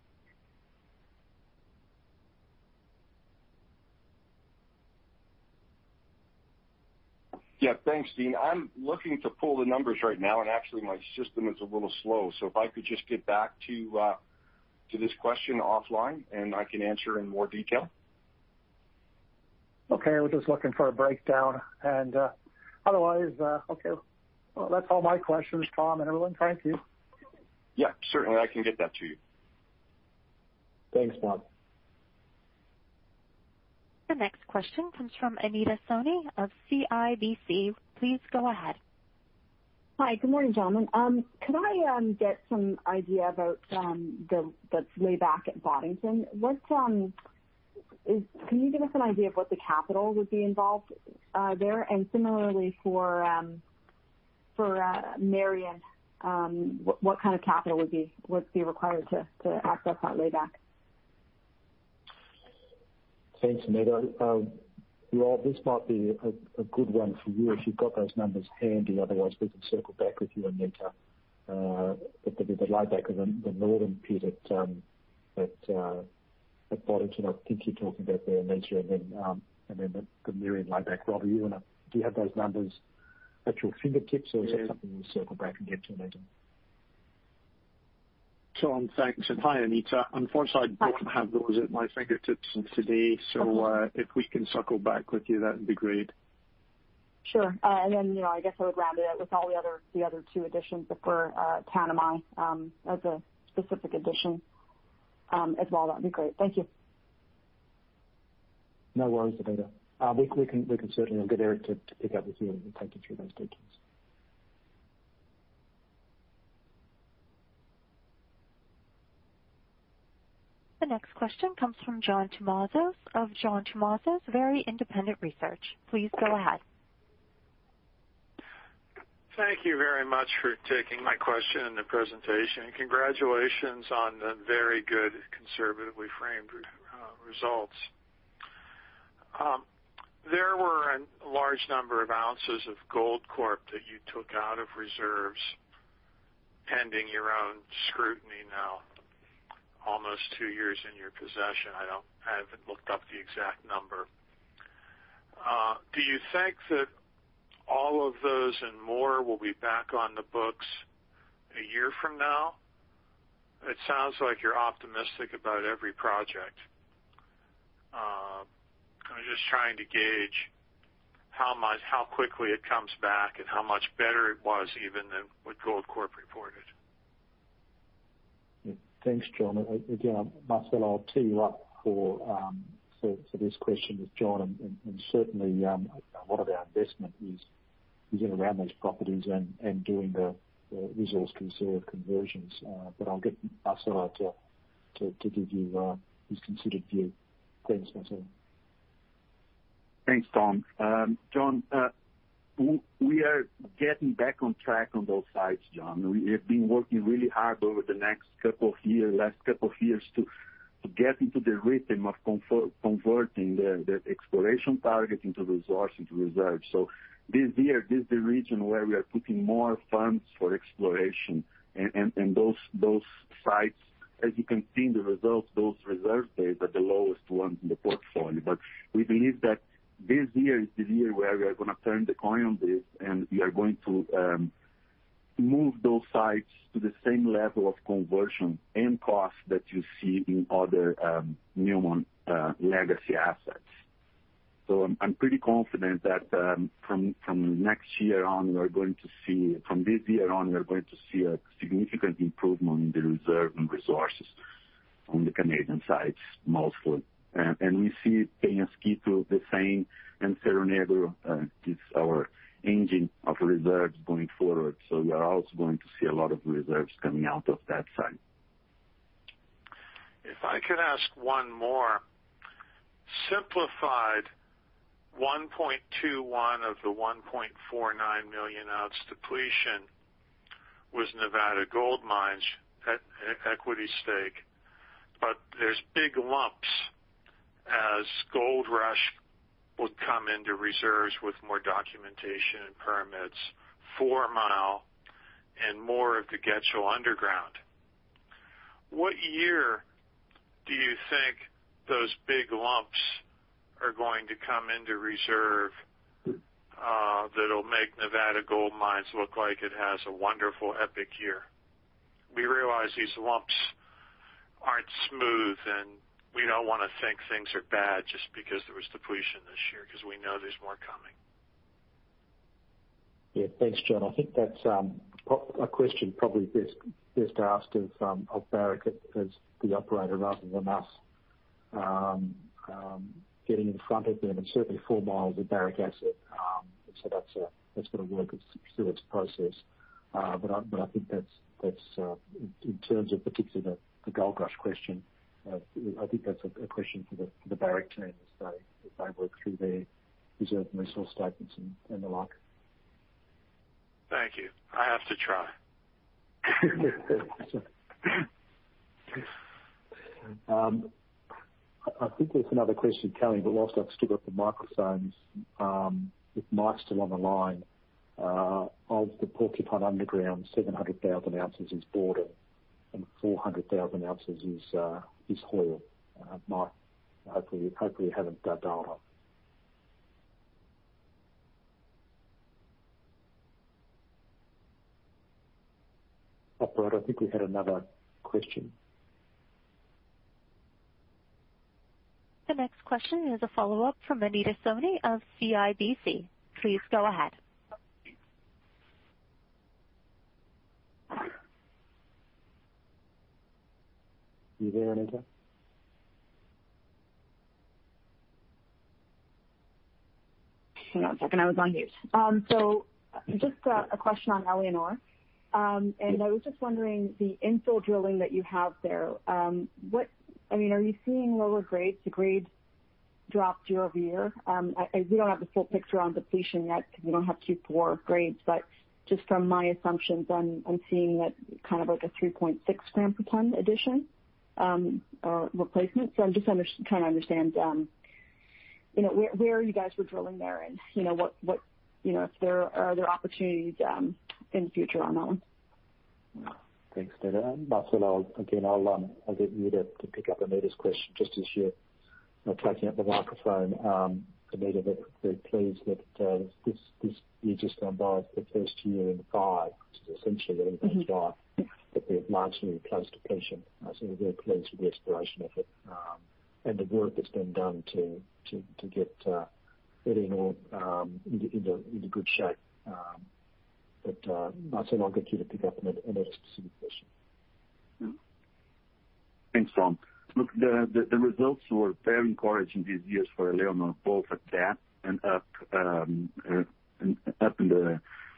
K: Thanks, Dean. I'm looking to pull the numbers right now, and actually my system is a little slow. If I could just get back to this question offline, and I can answer in more detail.
J: Okay. I was just looking for a breakdown. Otherwise, okay. Well, that's all my questions, Tom and everyone. Thank you.
K: Certainly, I can get that to you.
J: Thanks, Don.
A: The next question comes from Anita Soni of CIBC. Please go ahead.
L: Hi. Good morning, gentlemen. Could I get some idea about the layback at Boddington? Can you give us an idea of what the capital would be involved there? Similarly for Merian, what kind of capital would be required to access that layback?
C: Thanks, Anita. Rob, this might be a good one for you if you've got those numbers handy. Otherwise, we can circle back with you, Anita. The layback of the northern pit at Boddington, I think you're talking about there, Anita, and then the Merian layback. Rob, do you have those numbers at your fingertips?
E: Yeah.
C: Is that something we'll circle back and get to, Anita?
E: Tom, thanks, and hi, Anita. Unfortunately, I don't have those at my fingertips today. If we can circle back with you, that'd be great.
L: Sure. I guess I would round it out with all the other two additions for Tanami, as a specific addition as well. That'd be great. Thank you.
C: No worries, Anita. We can certainly get Eric to pick up with you and take you through those details.
A: The next question comes from John Tumazos of John Tumazos Very Independent Research. Please go ahead.
M: Thank you very much for taking my question and the presentation. Congratulations on the very good conservatively framed results. There were a large number of ounces of Goldcorp that you took out of reserves, pending your own scrutiny now almost two years in your possession. I haven't looked up the exact number. Do you think that all of those and more will be back on the books a year from now? It sounds like you're optimistic about every project. I'm just trying to gauge how quickly it comes back and how much better it was even than what Goldcorp reported.
C: Thanks, John. Again, Marcelo, I'll tee you up for this question with John and certainly, a lot of our investment is in and around those properties and doing the resource reserve conversions. I'll get Marcelo to give you his considered view. Go ahead, Marcelo.
F: Thanks, Tom. John, we are getting back on track on those sites, John. We have been working really hard over the last couple of years to get into the rhythm of converting the exploration target into resource, into reserve. This year, this is the region where we are putting more funds for exploration. Those sites, as you can see in the results, those reserve grades are the lowest ones in the portfolio. We believe that this year is the year where we are going to turn the coin on this, and we are going to move those sites to the same level of conversion and cost that you see in other Newmont legacy assets. I'm pretty confident that from this year on, we are going to see a significant improvement in the reserve and resources on the Canadian sites, mostly. We see Peñasquito the same, Cerro Negro is our engine of reserves going forward. We are also going to see a lot of reserves coming out of that site.
M: If I could ask one more. Simplified, 1.21 of the 1.49 million ounce depletion was Nevada Gold Mines' equity stake. There's big lumps as Goldrush would come into reserves with more documentation and permits, Fourmile and more of the Getchell underground. What year do you think those big lumps are going to come into reserve that'll make Nevada Gold Mines look like it has a wonderful epic year? We realize these lumps aren't smooth, and we don't want to think things are bad just because there was depletion this year, because we know there's more coming.
C: Yeah. Thanks, John. I think that's a question probably best asked of Barrick as the operator rather than us. Getting in front of them, certainly Fourmile is a Barrick asset. That's got to work through its process. I think that in terms of particularly the Goldrush question, I think that's a question for the Barrick team as they work through their reserve resource statements and the like.
M: Thank you. I have to try.
C: Whilst I've still got the microphones, with Mike still on the line, of the Porcupine underground, 700,000 ounces is Borden and 400,000 ounces is Hoyle. Mike, hopefully you have that data. I think we had another question.
A: The next question is a follow-up from Anita Soni of CIBC. Please go ahead.
C: You there, Anita?
L: Hang on a second. I was on mute. Just a question on Éléonore. I was just wondering, the infill drilling that you have there, are you seeing lower grades? The grades dropped year-over-year. We don't have the full picture on depletion yet because we don't have Q4 grades. Just from my assumptions, I'm seeing that kind of like a 3.6 g per ton addition or replacement. I'm just trying to understand where you guys were drilling there and are there opportunities in future on that one?
C: Thanks, Anita. Marcelo, again, I'll get you to pick up Anita's question just as you're cracking up the microphone. Anita, we're very pleased that this year's just gone by as the first year in five, which is essentially what it's been like, that we have largely replaced depletion. We're very pleased with the exploration effort and the work that's been done to get Éléonore into good shape. Marcelo, I'll get you to pick up Anita's specific question.
F: Thanks, Tom. Look, the results were very encouraging these years for Éléonore, both at depth and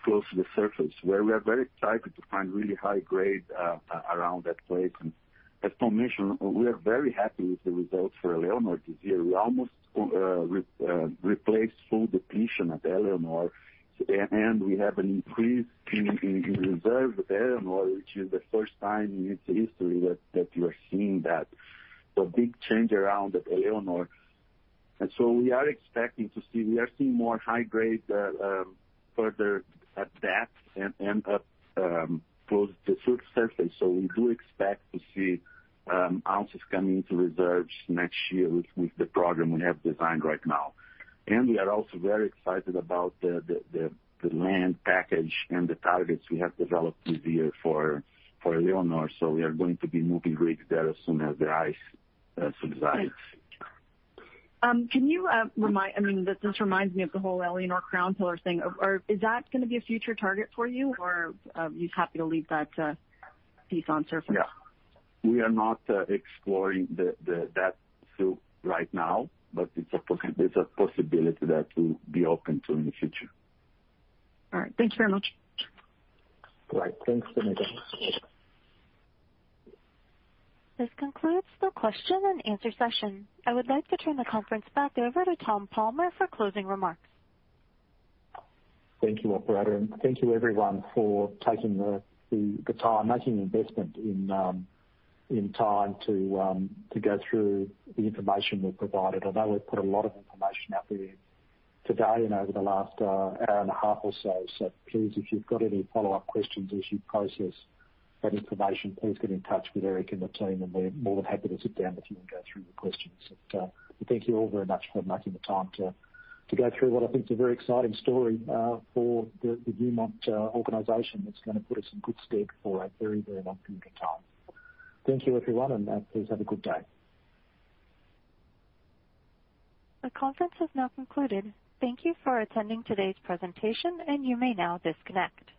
F: close to the surface, where we are very excited to find really high grade around that place. As Tom mentioned, we are very happy with the results for Éléonore this year. We almost replaced full depletion at Éléonore, and we have an increase in reserve at Éléonore, which is the first time in its history that we are seeing that. The big change around at Éléonore. So we are seeing more high grade further at depth and up close to surface. We do expect to see ounces coming into reserves next year with the program we have designed right now. We are also very excited about the land package and the targets we have developed this year for Éléonore. We are going to be moving rigs there as soon as the ice subsides.
L: Great. This reminds me of the whole Éléonore crown pillar thing. Is that going to be a future target for you or are you happy to leave that piece on surface?
F: Yeah. We are not exploring that scope right now, but it's a possibility that we'll be open to in the future.
L: All right. Thank you very much.
F: Right. Thanks, Anita.
A: This concludes the question and answer session. I would like to turn the conference back over to Tom Palmer for closing remarks.
C: Thank you, operator, and thank you everyone for taking the time, making an investment in time to go through the information we've provided. I know we've put a lot of information out there today and over the last hour and a half or so. Please, if you've got any follow-up questions as you process that information, please get in touch with Eric and the team, and we're more than happy to sit down with you and go through your questions. Thank you all very much for making the time to go through what I think is a very exciting story for the Newmont organization that's going to put us in good stead for a very, very long period of time. Thank you, everyone. Please have a good day.
A: The conference has now concluded. Thank you for attending today's presentation. You may now disconnect.